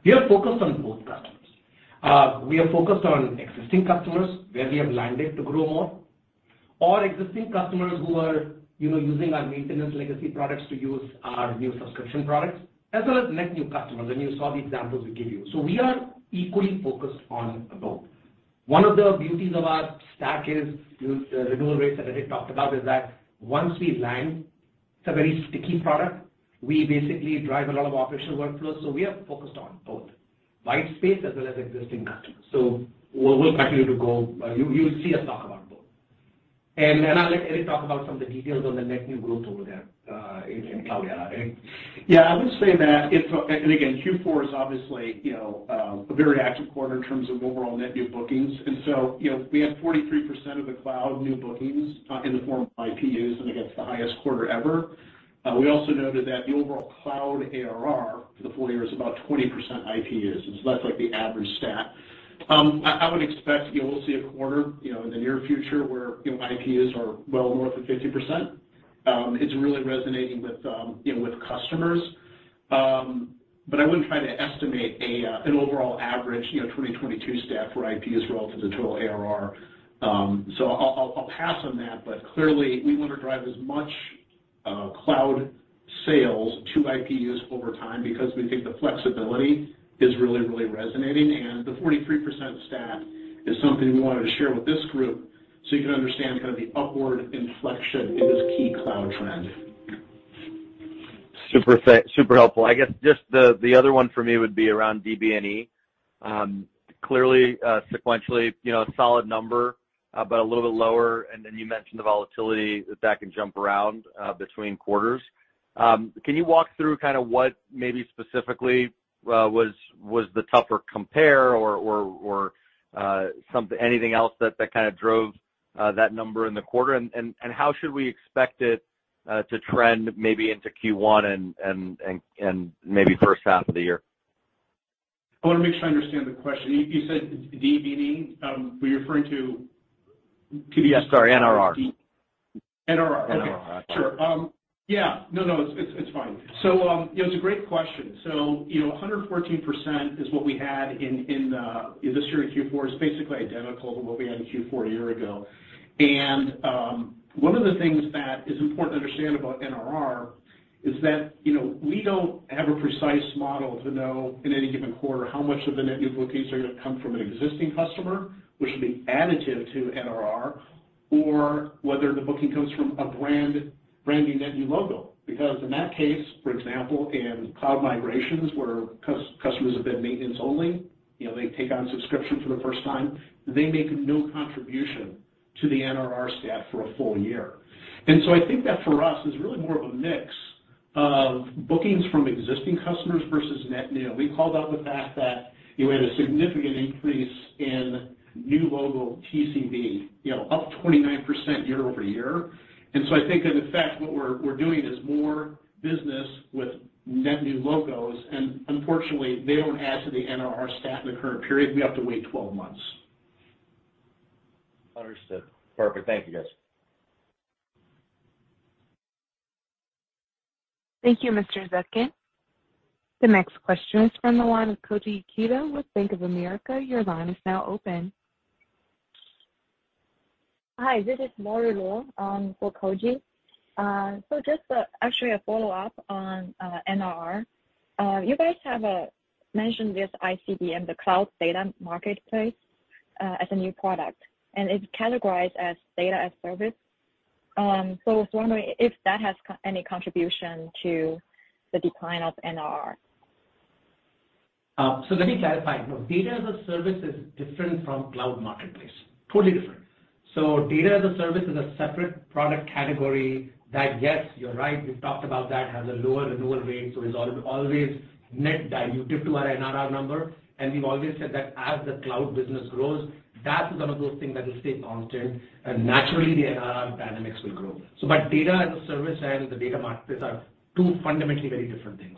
We are focused on both customers. We are focused on existing customers where we have landed to grow more. Existing customers who are, you know, using our maintenance legacy products to use our new subscription products, as well as net new customers, and you saw the examples we gave you. We are equally focused on both. One of the beauties of our stack is use the renewal rates that Eric talked about is that once we land, it's a very sticky product. We basically drive a lot of operational workflows, so we are focused on both, white space as well as existing customers. We'll continue to go. You'll see us talk about both. Then I'll let Eric talk about some of the details on the net new growth over there in cloud, yeah, Eric. Yeah. I would say that again, Q4 is obviously, you know, a very active quarter in terms of overall net new bookings. You know, we have 43% of the cloud new bookings taking the form of IPUs, and I guess, the highest quarter ever. We also noted that the overall cloud ARR for the full year is about 20% IPUs. It's like the average stat. I would expect, you know, we'll see a quarter, you know, in the near future where, you know, IPUs are well north of 50%. It's really resonating with, you know, with customers. But I wouldn't try to estimate an overall average, you know, 2022 stat for IPUs relative to total ARR. I'll pass on that, but clearly we want to drive as much cloud sales to IPUs over time because we think the flexibility is really, really resonating. The 43% stat is something we wanted to share with this group so you can understand kind of the upward inflection in this key cloud trend. Thanks. Super helpful. I guess just the other one for me would be around DBNR. Clearly, sequentially, you know, a solid number, but a little bit lower, and then you mentioned the volatility that can jump around between quarters. Can you walk through kinda what maybe specifically was the tougher compare or anything else that kind of drove that number in the quarter? How should we expect it to trend, maybe into Q1 and maybe first half of the year? I wanna make sure I understand the question. You said DBNR. Could you- Yes, sorry, NRR. NRR. NRR. It's fine. You know, it's a great question. You know, 114% is what we had this year in Q4. It's basically identical to what we had in Q4 a year ago. One of the things that is important to understand about NRR is that, you know, we don't have a precise model to know in any given quarter how much of the net new bookings are gonna come from an existing customer, which will be additive to NRR, or whether the booking comes from a brand new net new logo. Because in that case, for example, in cloud migrations where customers have been maintenance only, you know, they take on subscription for the first time, they make no contribution to the NRR stat for a full year. I think that for us, it's really more of a mix of bookings from existing customers versus net new. We called out the fact that we had a significant increase in new logo TCV, you know, up 29% year-over-year. I think that, in fact, what we're doing is more business with net new logos, and unfortunately, they don't add to the NRR stat in the current period. We have to wait 12 months. Understood. Perfect. Thank you, guys. Thank you, Alex Zukin. The next question is from the line of Koji Ikeda with Bank of America. Your line is now open. Hi, this is Mary Lu for Koji. Just actually a follow-up on NRR. You guys have mentioned this IDMC, the Cloud Data Marketplace, as a new product, and it's categorized as data as service. I was wondering if that has any contribution to the decline of NRR. Let me clarify. No, data as a service is different from cloud marketplace. Totally different. Data as a service is a separate product category that, yes, you're right, we've talked about that, has a lower renewal rate, so it's always net dilutive to our NRR number. We've always said that as the cloud business grows, that is one of those things that will stay constant, and naturally, the NRR dynamics will grow. Data as a service and the data marketplace are two fundamentally very different things.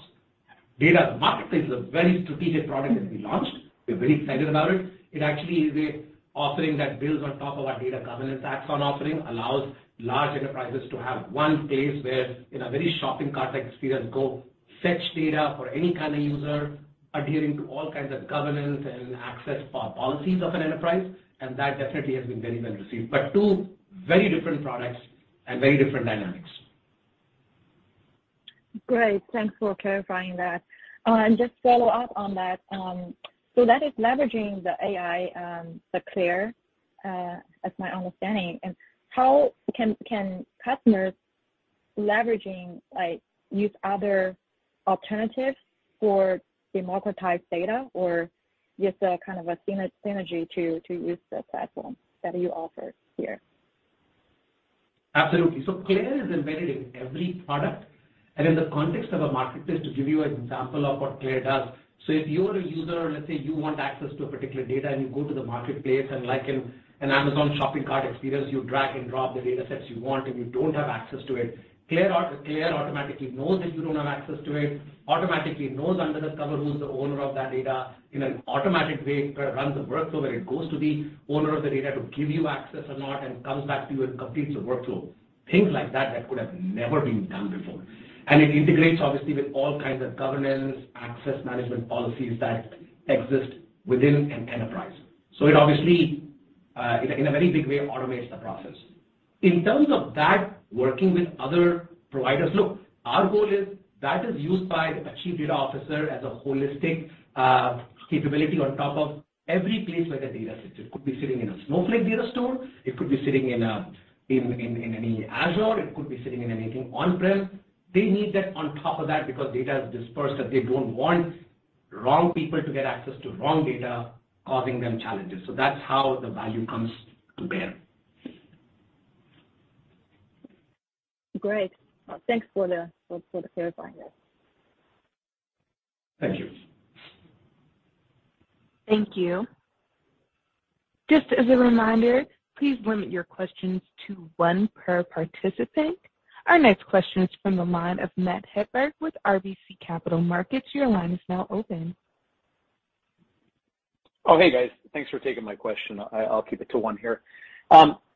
Data marketplace is a very strategic product that we launched. We're very excited about it. It actually is an offering that builds on top of our data governance Axon offering, allows large enterprises to have one place where, in a very shopping cart experience go fetch data for any kind of user, adhering to all kinds of governance and access policies of an enterprise. And that definitely has been very well received. Two very different products and very different dynamics. Great. Thanks for clarifying that. Just follow up on that. That is leveraging the AI, the CLAIRE; that's my understanding. How can customers leveraging, like, use other alternatives for democratized data or just a kind of a synergy to use the platform that you offer here? Absolutely. CLAIRE is embedded in every product. In the context of a marketplace, to give you an example of what CLAIRE does. If you're a user, let's say you want access to a particular data, and you go to the marketplace, and like in an Amazon shopping cart experience, you drag and drop the datasets you want, and you don't have access to it. CLAIRE automatically knows that you don't have access to it, automatically knows under the covers who's the owner of that data, in an automatic way kind of runs a workflow where it goes to the owner of the data to give you access or not, and comes back to you and completes the workflow. Things like that could have never been done before. It integrates obviously with all kinds of governance, access management policies that exist within an enterprise. It obviously, in a very big way, automates the process. In terms of that, working with other providers. Look, our goal is that it is used by a chief data officer as a holistic capability on top of every place where the data sits. It could be sitting in a Snowflake data store, it could be sitting in any Azure, it could be sitting in anything on-prem. They need that on top of that because data is dispersed; they don't want wrong people to get access to wrong data, causing them challenges. That's how the value comes to bear. Great. Thanks for the clarification that. Thank you. Thank you. Just as a reminder, please limit your questions to one per participant. Our next question is from the line of Matt Hedberg with RBC Capital Markets. Your line is now open. Oh, hey, guys. Thanks for taking my question. I'll keep it to one here.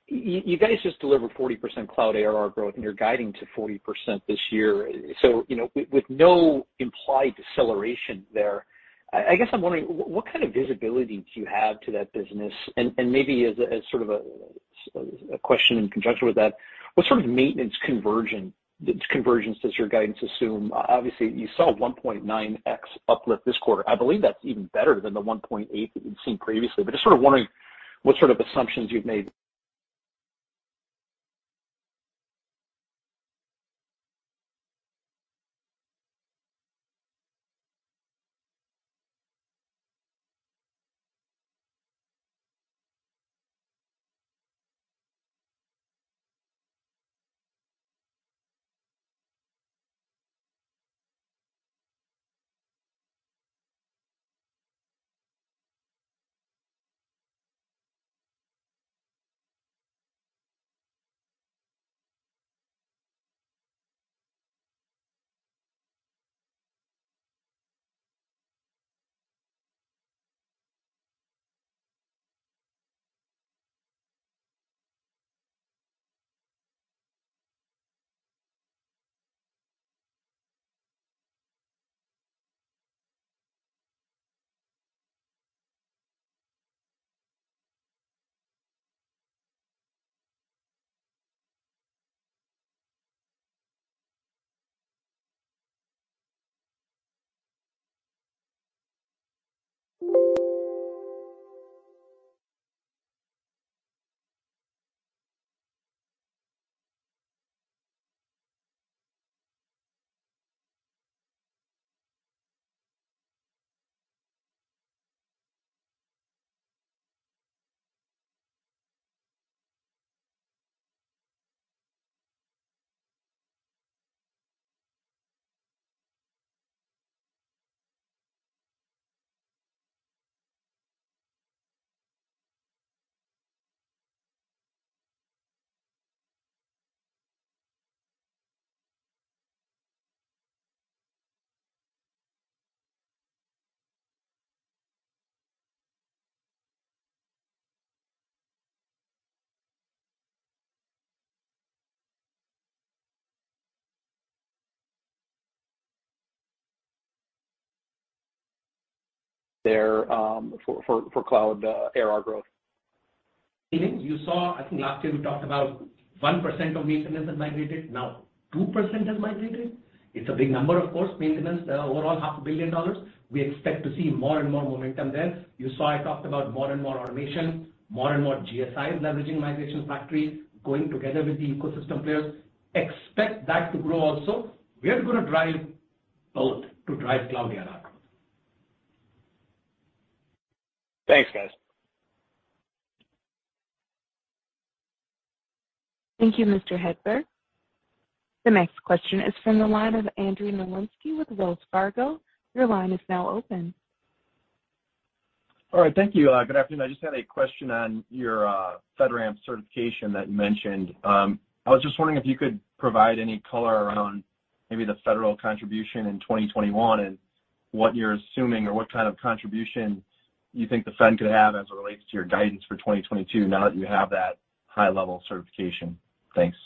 You guys just delivered 40% cloud ARR growth, and you're guiding to 40% this year. You know, with no implied deceleration there, I guess I'm wondering what kind of visibility do you have to that business. And maybe as a—as sort of a question in conjunction with that, what sort of maintenance conversions does your guidance assume? Obviously, you saw a 1.9x uplift this quarter. I believe that's even better than the 1.8 that we've seen previously. But just sort of wondering what sort of assumptions you've made there for cloud ARR growth. You saw, I think, last year we talked about 1% of maintenance having migrated; now 2% has migrated. It's a big number, of course, maintenance overall half a billion dollars. We expect to see more and more momentum there. You saw I talked about more and more automation, more and more GSIs leveraging migration factories, going together with the ecosystem players. Expect that to grow also. We are gonna drive both to drive cloud ARR growth. Thanks, guys. Thank you, Mr. Hedberg. The next question is from the line of Andrew Nowinski with Wells Fargo. Your line is now open. All right. Thank you. Good afternoon. I just had a question on your FedRAMP certification that you mentioned. I was just wondering if you could provide any color around maybe the federal contribution in 2021 and what you're assuming or what kind of contribution you think the Fed could have as it relates to your guidance for 2022 now that you have that high level certification. Thanks.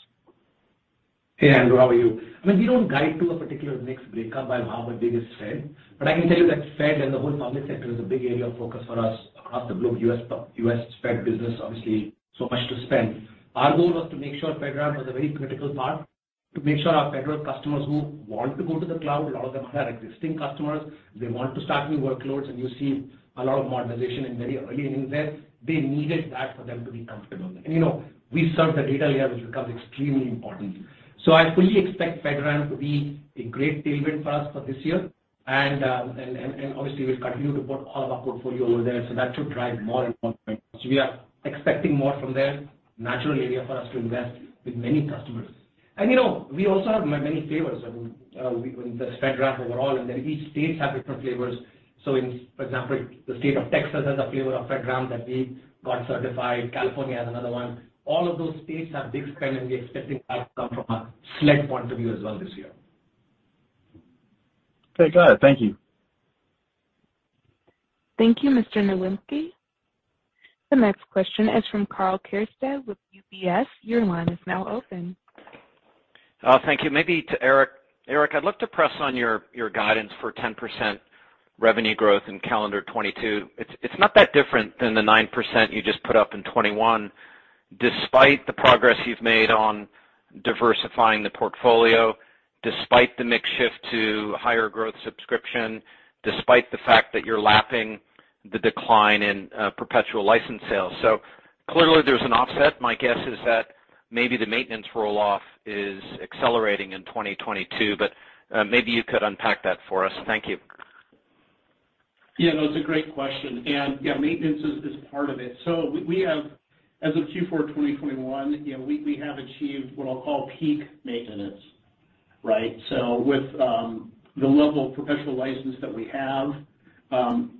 Hey, Andrew, how are you? I mean, we don't guide to a particular mix breakdown by how big is Fed, but I can tell you that Fed and the whole public sector is a big area of focus for us across the globe. U.S., U.S. Fed business, obviously so much to spend. Our goal was to make sure FedRAMP was a very critical part to make sure our federal customers who want to go to the cloud—a lot of them are existing customers. They want to start new workloads, and you see a lot of modernization and very early innings there. They needed that for them to be comfortable. And you know, we serve the data layer, which becomes extremely important. I fully expect FedRAMP to be a great tailwind for us for this year. Obviously we'll continue to put all of our portfolio over there. That should drive more and more. We are expecting more from there. Natural area for us to invest in with many customers. You know, we also have many flavors in the FedRAMP overall, and then each state has different flavors. For example, the state of Texas has a flavor of FedRAMP that we got certified. California has another one. All of those states have big spend, and we're expecting that to come from a SLED point of view as well this year. Okay, got it. Thank you. Thank you, Andrew Nowinski. The next question is from Karl Keirstead with UBS. Your line is now open. Thank you. Maybe to Eric. Eric, I'd love to press on your guidance for 10% revenue growth in calendar 2022. It's not that different than the 9% you just put up in 2021 despite the progress you've made on diversifying the portfolio, despite the mix shift to higher growth subscription, despite the fact that you're lapping the decline in perpetual license sales. Clearly there's an offset. My guess is that maybe the maintenance roll-off is accelerating in 2022, but maybe you could unpack that for us. Thank you. Yeah, no, it's a great question. Yeah, maintenance is part of it. We have, as of Q4 2021, you know, we have achieved what I'll call peak maintenance, right? With the level of perpetual license that we have,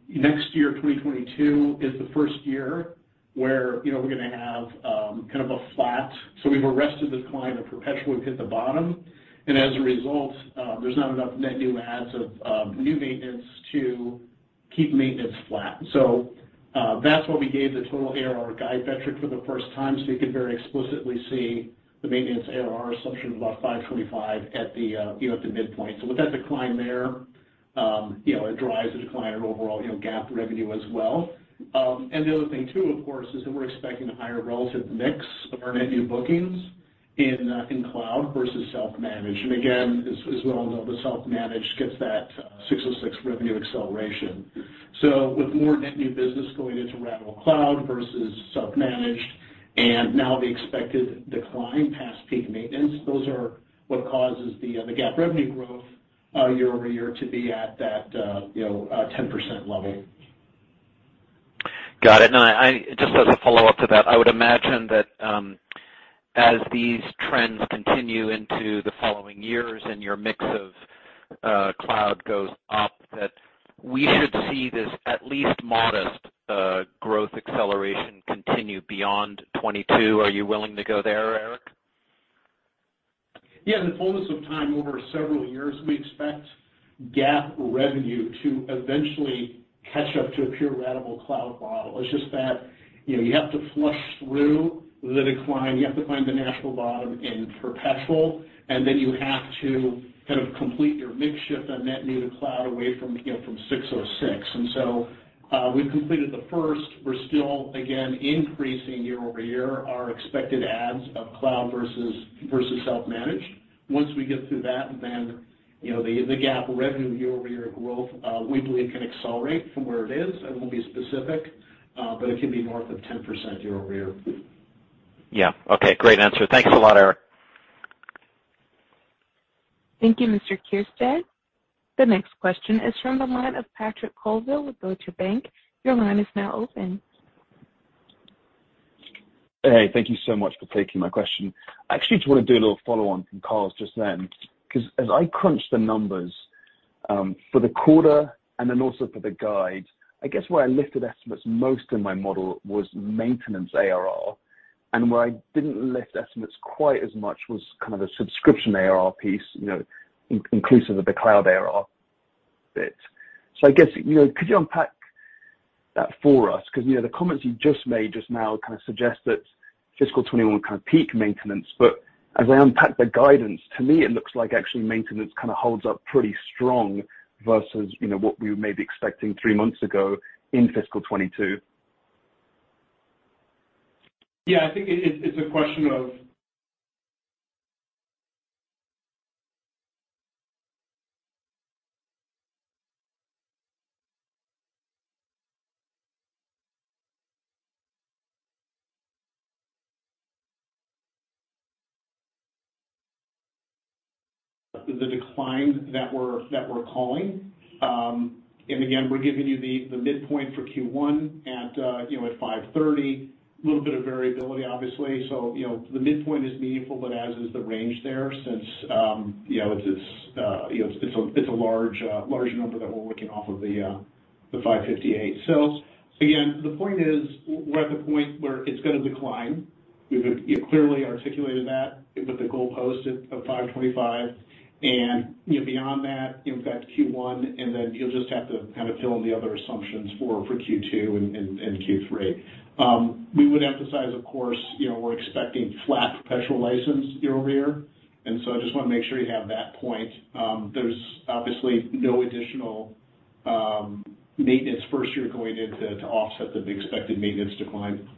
next year, 2022, is the first year where, you know, we're gonna have kind of a flat. We've arrested the decline of perpetual. We've hit the bottom. As a result, there's not enough net new adds of new maintenance to keep maintenance flat. That's why we gave the total ARR guide metric for the first time, so you could very explicitly see the maintenance ARR assumption of about $525 million at the midpoint. With that decline there, you know, it drives the decline in overall, you know, GAAP revenue as well. The other thing too, of course, is that we're expecting a higher relative mix of our net new bookings in cloud versus self-managed. Again, as we all know, the self-managed gets that ASC 606 revenue acceleration. With more net new business going into ratable cloud versus self-managed, and now the expected decline past peak maintenance, those are what causes the GAAP revenue growth year-over-year to be at that 10% level. Got it. Now, just as a follow-up to that, I would imagine that, as these trends continue into the following years and your mix of cloud goes up, that we should see this at least modest growth acceleration continue beyond 2022. Are you willing to go there, Eric? Yeah, in the fullness of time, over several years, we expect GAAP revenue to eventually catch up to a pure ratable cloud model. It's just that, you know, you have to flush through the decline. You have to find the natural bottom in perpetual, and then you have to kind of complete your mix shift on net new to cloud away from, you know, from six oh six. We've completed the first. We're still, again, increasing year-over-year our expected adds of cloud versus self-managed. Once we get through that, you know, the GAAP revenue year-over-year growth, we believe, can accelerate from where it is. I won't be specific, but it can be north of 10% year-over-year. Yeah. Okay. Great answer. Thanks a lot, Eric. Thank you, Mr. Keirstead. The next question is from the line of Patrick Colville with Deutsche Bank. Your line is now open. Hey, thank you so much for taking my question. I actually just wanna do a little follow on from Karl's just then, 'cause as I crunched the numbers for the quarter and then also for the guide, I guess where I lifted estimates most in my model was maintenance ARR, and where I didn't lift estimates quite as much was kind of the subscription ARR piece, you know, inclusive of the cloud ARR bit. I guess, you know, could you unpack that for us? 'Cause, you know, the comments you just made just now kinda suggest that fiscal 2021 kinda peaked maintenance. But as I unpack the guidance, to me it looks like actually maintenance kinda holds up pretty strong versus, you know, what we were maybe expecting three months ago in fiscal 2022. Yeah, I think it's a question of the decline that we're calling. Again, we're giving you the midpoint for Q1 at $530. A little bit of variability, obviously. You know, the midpoint is meaningful, but as is the range there since, you know, it's a large number that we're working off of, the $558. Again, the point is we're at the point where it's gonna decline. We've you know, clearly articulated that with the goalpost at $525. You know, beyond that, you know, we've got Q1, and then you'll just have to kind of fill in the other assumptions for Q2 and Q3. We would emphasize, of course, you know, we're expecting flat perpetual license year over year. I just wanna make sure you have that point. There's obviously no additional maintenance the first year going in to offset the expected maintenance decline.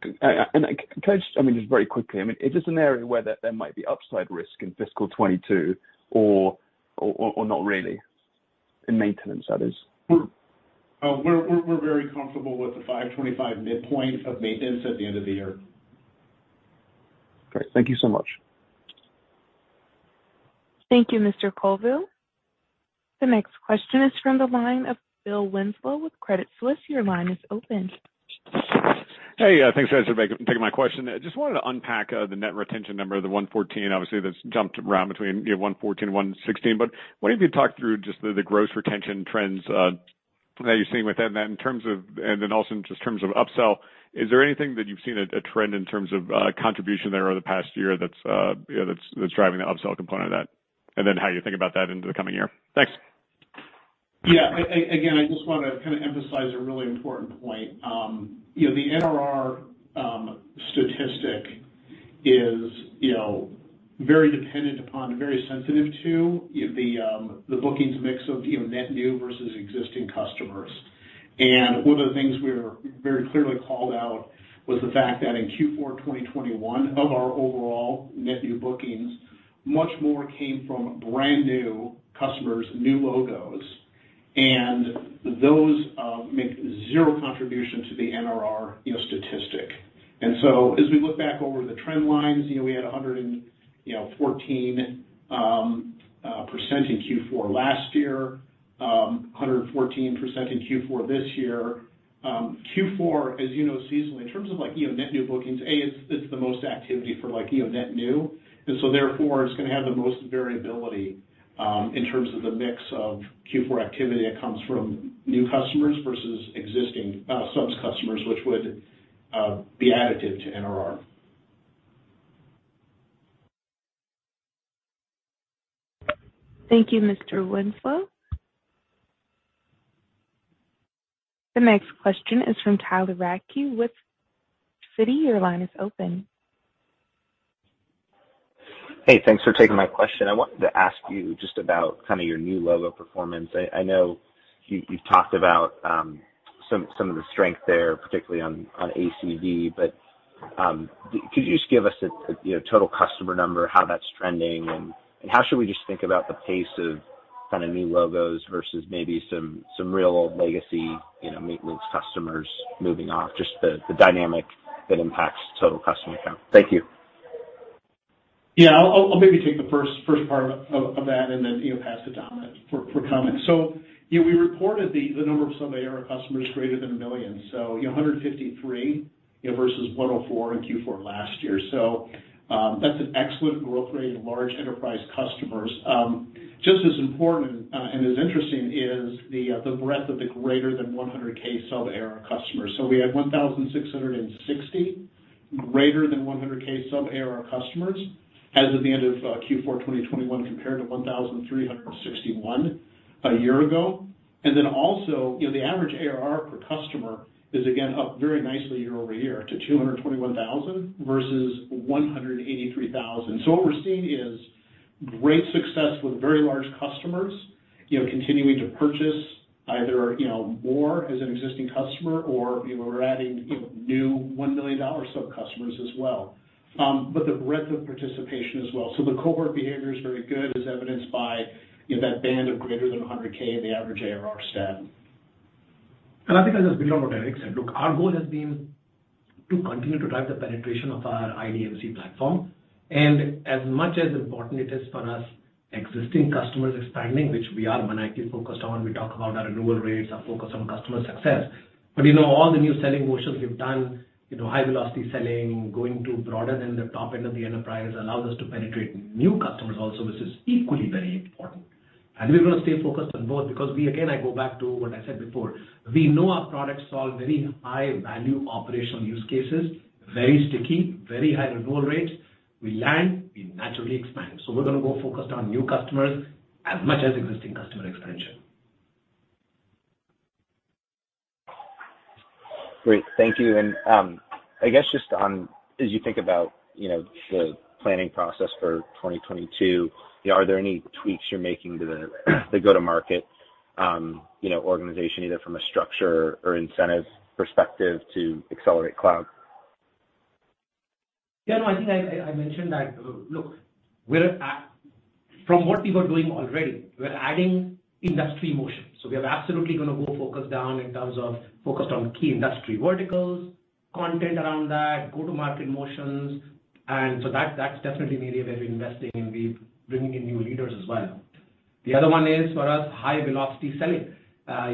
Can I just, I mean, just very quickly? I mean, is this an area where there might be upside risk in fiscal 2022, or not really? In maintenance, that is. We're very comfortable with the $525 midpoint of maintenance at the end of the year. Great. Thank you so much. Thank you, Mr. Colville. The next question is from the line of Phil Winslow with Credit Suisse. Your line is open. Hey, thanks guys for taking my question. I just wanted to unpack the net retention number, the 114%. Obviously, that's jumped around between, you know, 114%, 116%. Wondering if you could talk through just the gross retention trends that you're seeing with that. And then also, just in terms of upsell, is there anything that you've seen a trend in terms of contribution there over the past year that's, you know, driving the upsell component of that, and then how do you think about that into the coming year? Thanks. Yeah. Again, I just wanna kind of emphasize a really important point. You know, the NRR statistic is, you know, very dependent upon and very sensitive to the bookings mix of, you know, net new versus existing customers. One of the things we're very clearly called out was the fact that in Q4 of 2021, of our overall net new bookings, much more came from brand new customers, new logos, and those make zero contribution to the NRR, you know, statistic. As we look back over the trend lines, you know, we had 114% in Q4 last year, and 114% in Q4 this year. Q4, as you know seasonally, in terms of like, you know, net new bookings, it's the most activity for like, you know, net new, and so therefore, it's gonna have the most variability, in terms of the mix of Q4 activity that comes from new customers versus existing, subs customers, which would be additive to NRR. Thank you, Mr. Winslow. The next question is from Tyler Radke with Citi. Your line is open. Hey, thanks for taking my question. I wanted to ask you just about kind of your new logo performance. I know you've talked about some of the strength there, particularly on ACV, but could you just give us, you know, total customer number, how that's trending, and how should we just think about the pace of kind of new logos versus maybe some real old legacy, you know, maintenance customers moving off, just the dynamic that impacts total customer count? Thank you. Yeah. I'll maybe take the first part of that and then, you know, pass to Amit for comment. We reported the number of sub ARR customers greater than a million. You know, 153, you know, versus 104 in Q4 last year. That's an excellent growth rate in large enterprise customers. Just as important and as interesting is the breadth of the greater than 100K sub-ARR customers. We have 1,660 greater than 100K sub ARR customers as of the end of Q4 2021, compared to 1,361 a year ago. Then also, you know, the average ARR per customer is again up very nicely year-over-year to $221,000 versus $183,000. What we're seeing is great success with very large customers, you know, continuing to purchase either, you know, more as an existing customer or, you know, we're adding, you know, new $1 million-plus customers as well. The breadth of participation as well. The cohort behavior is very good as evidenced by, you know, that band of greater than 100K, the average ARR stat. I think, as Bill and Eric said, look, our goal has been to continue to drive the penetration of our IDMC platform. As much as important it is for us existing customers expanding, which we are maniacally focused on, we talk about our renewal rates, our focus on customer success. We know all the new selling motions we've done, you know, high-velocity selling, going to broader in the top end of the enterprise allows us to penetrate new customers also, which is equally very important. We're gonna stay focused on both because we, again, I go back to what I said before, we know our products solve very high value operational use cases, very sticky, very high renewal rates. We land, we naturally expand. We're gonna go focused on new customers as much as existing customer expansion. Great. Thank you. I guess just on as you think about, you know, the planning process for 2022, you know, are there any tweaks you're making to the go-to-market, you know, organization, either from a structure or incentive perspective, to accelerate cloud? Yeah, no, I think I mentioned that. Look, from what we were doing already, we're adding industry motions. We are absolutely gonna go focus down in terms of focused on key industry verticals, content around that, go-to-market motions, and so that's definitely an area we're investing in, and we're bringing in new leaders as well. The other one is, for us, high-velocity selling.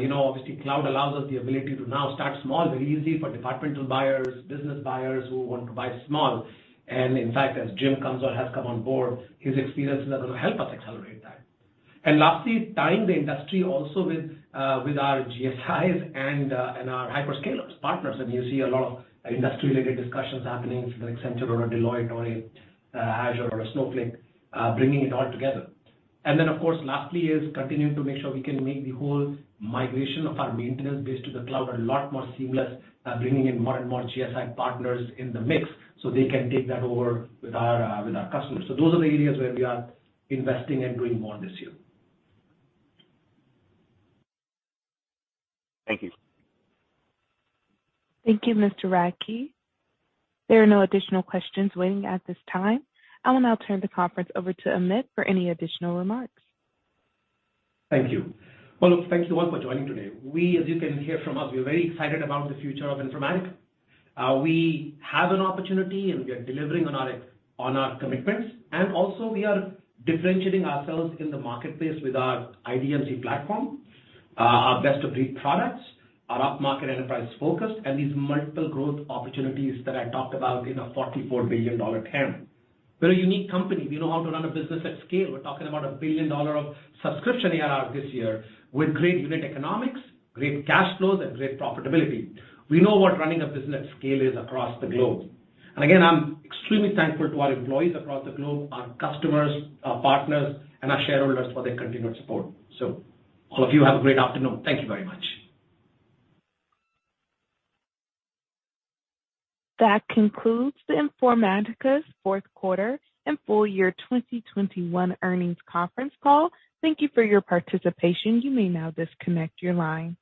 You know, obviously cloud allows us the ability to now start small, very easy for departmental buyers, business buyers who want to buy small. In fact, as Jim has come on board, his experiences are gonna help us accelerate that. Lastly, tying the industry also with our GSIs and our hyperscalers partners. I mean, you see a lot of industry-related discussions happening with Accenture or a Deloitte or a, Azure or a Snowflake, bringing it all together. Then, of course, lastly is continuing to make sure we can make the whole migration of our maintenance base to the cloud a lot more seamless, bringing in more and more GSI partners in the mix so they can take that over with our customers. Those are the areas where we are investing and doing more this year. Thank you. Thank you, Mr. Radke. There are no additional questions waiting at this time. I will now turn the conference over to Amit for any additional remarks. Thank you. Well, look, thank you all for joining today. We, as you can hear from us, are very excited about the future of Informatica. We have an opportunity, and we are delivering on our commitments, and also we are differentiating ourselves in the marketplace with our IDMC platform, our best of breed products, our upmarket enterprise focus, and these multiple growth opportunities that I talked about in a $44 billion TAM. We're a unique company. We know how to run a business at scale. We're talking about $1 billion of subscription ARR this year with great unit economics, great cash flows, and great profitability. We know what running a business at scale is across the globe. Again, I'm extremely thankful to our employees across the globe, our customers, our partners, and our shareholders for their continued support. All of you have a great afternoon. Thank you very much. That concludes Informatica's Fourth Quarter and Full Year 2021 Earnings Conference Call. Thank you for your participation. You may now disconnect your lines.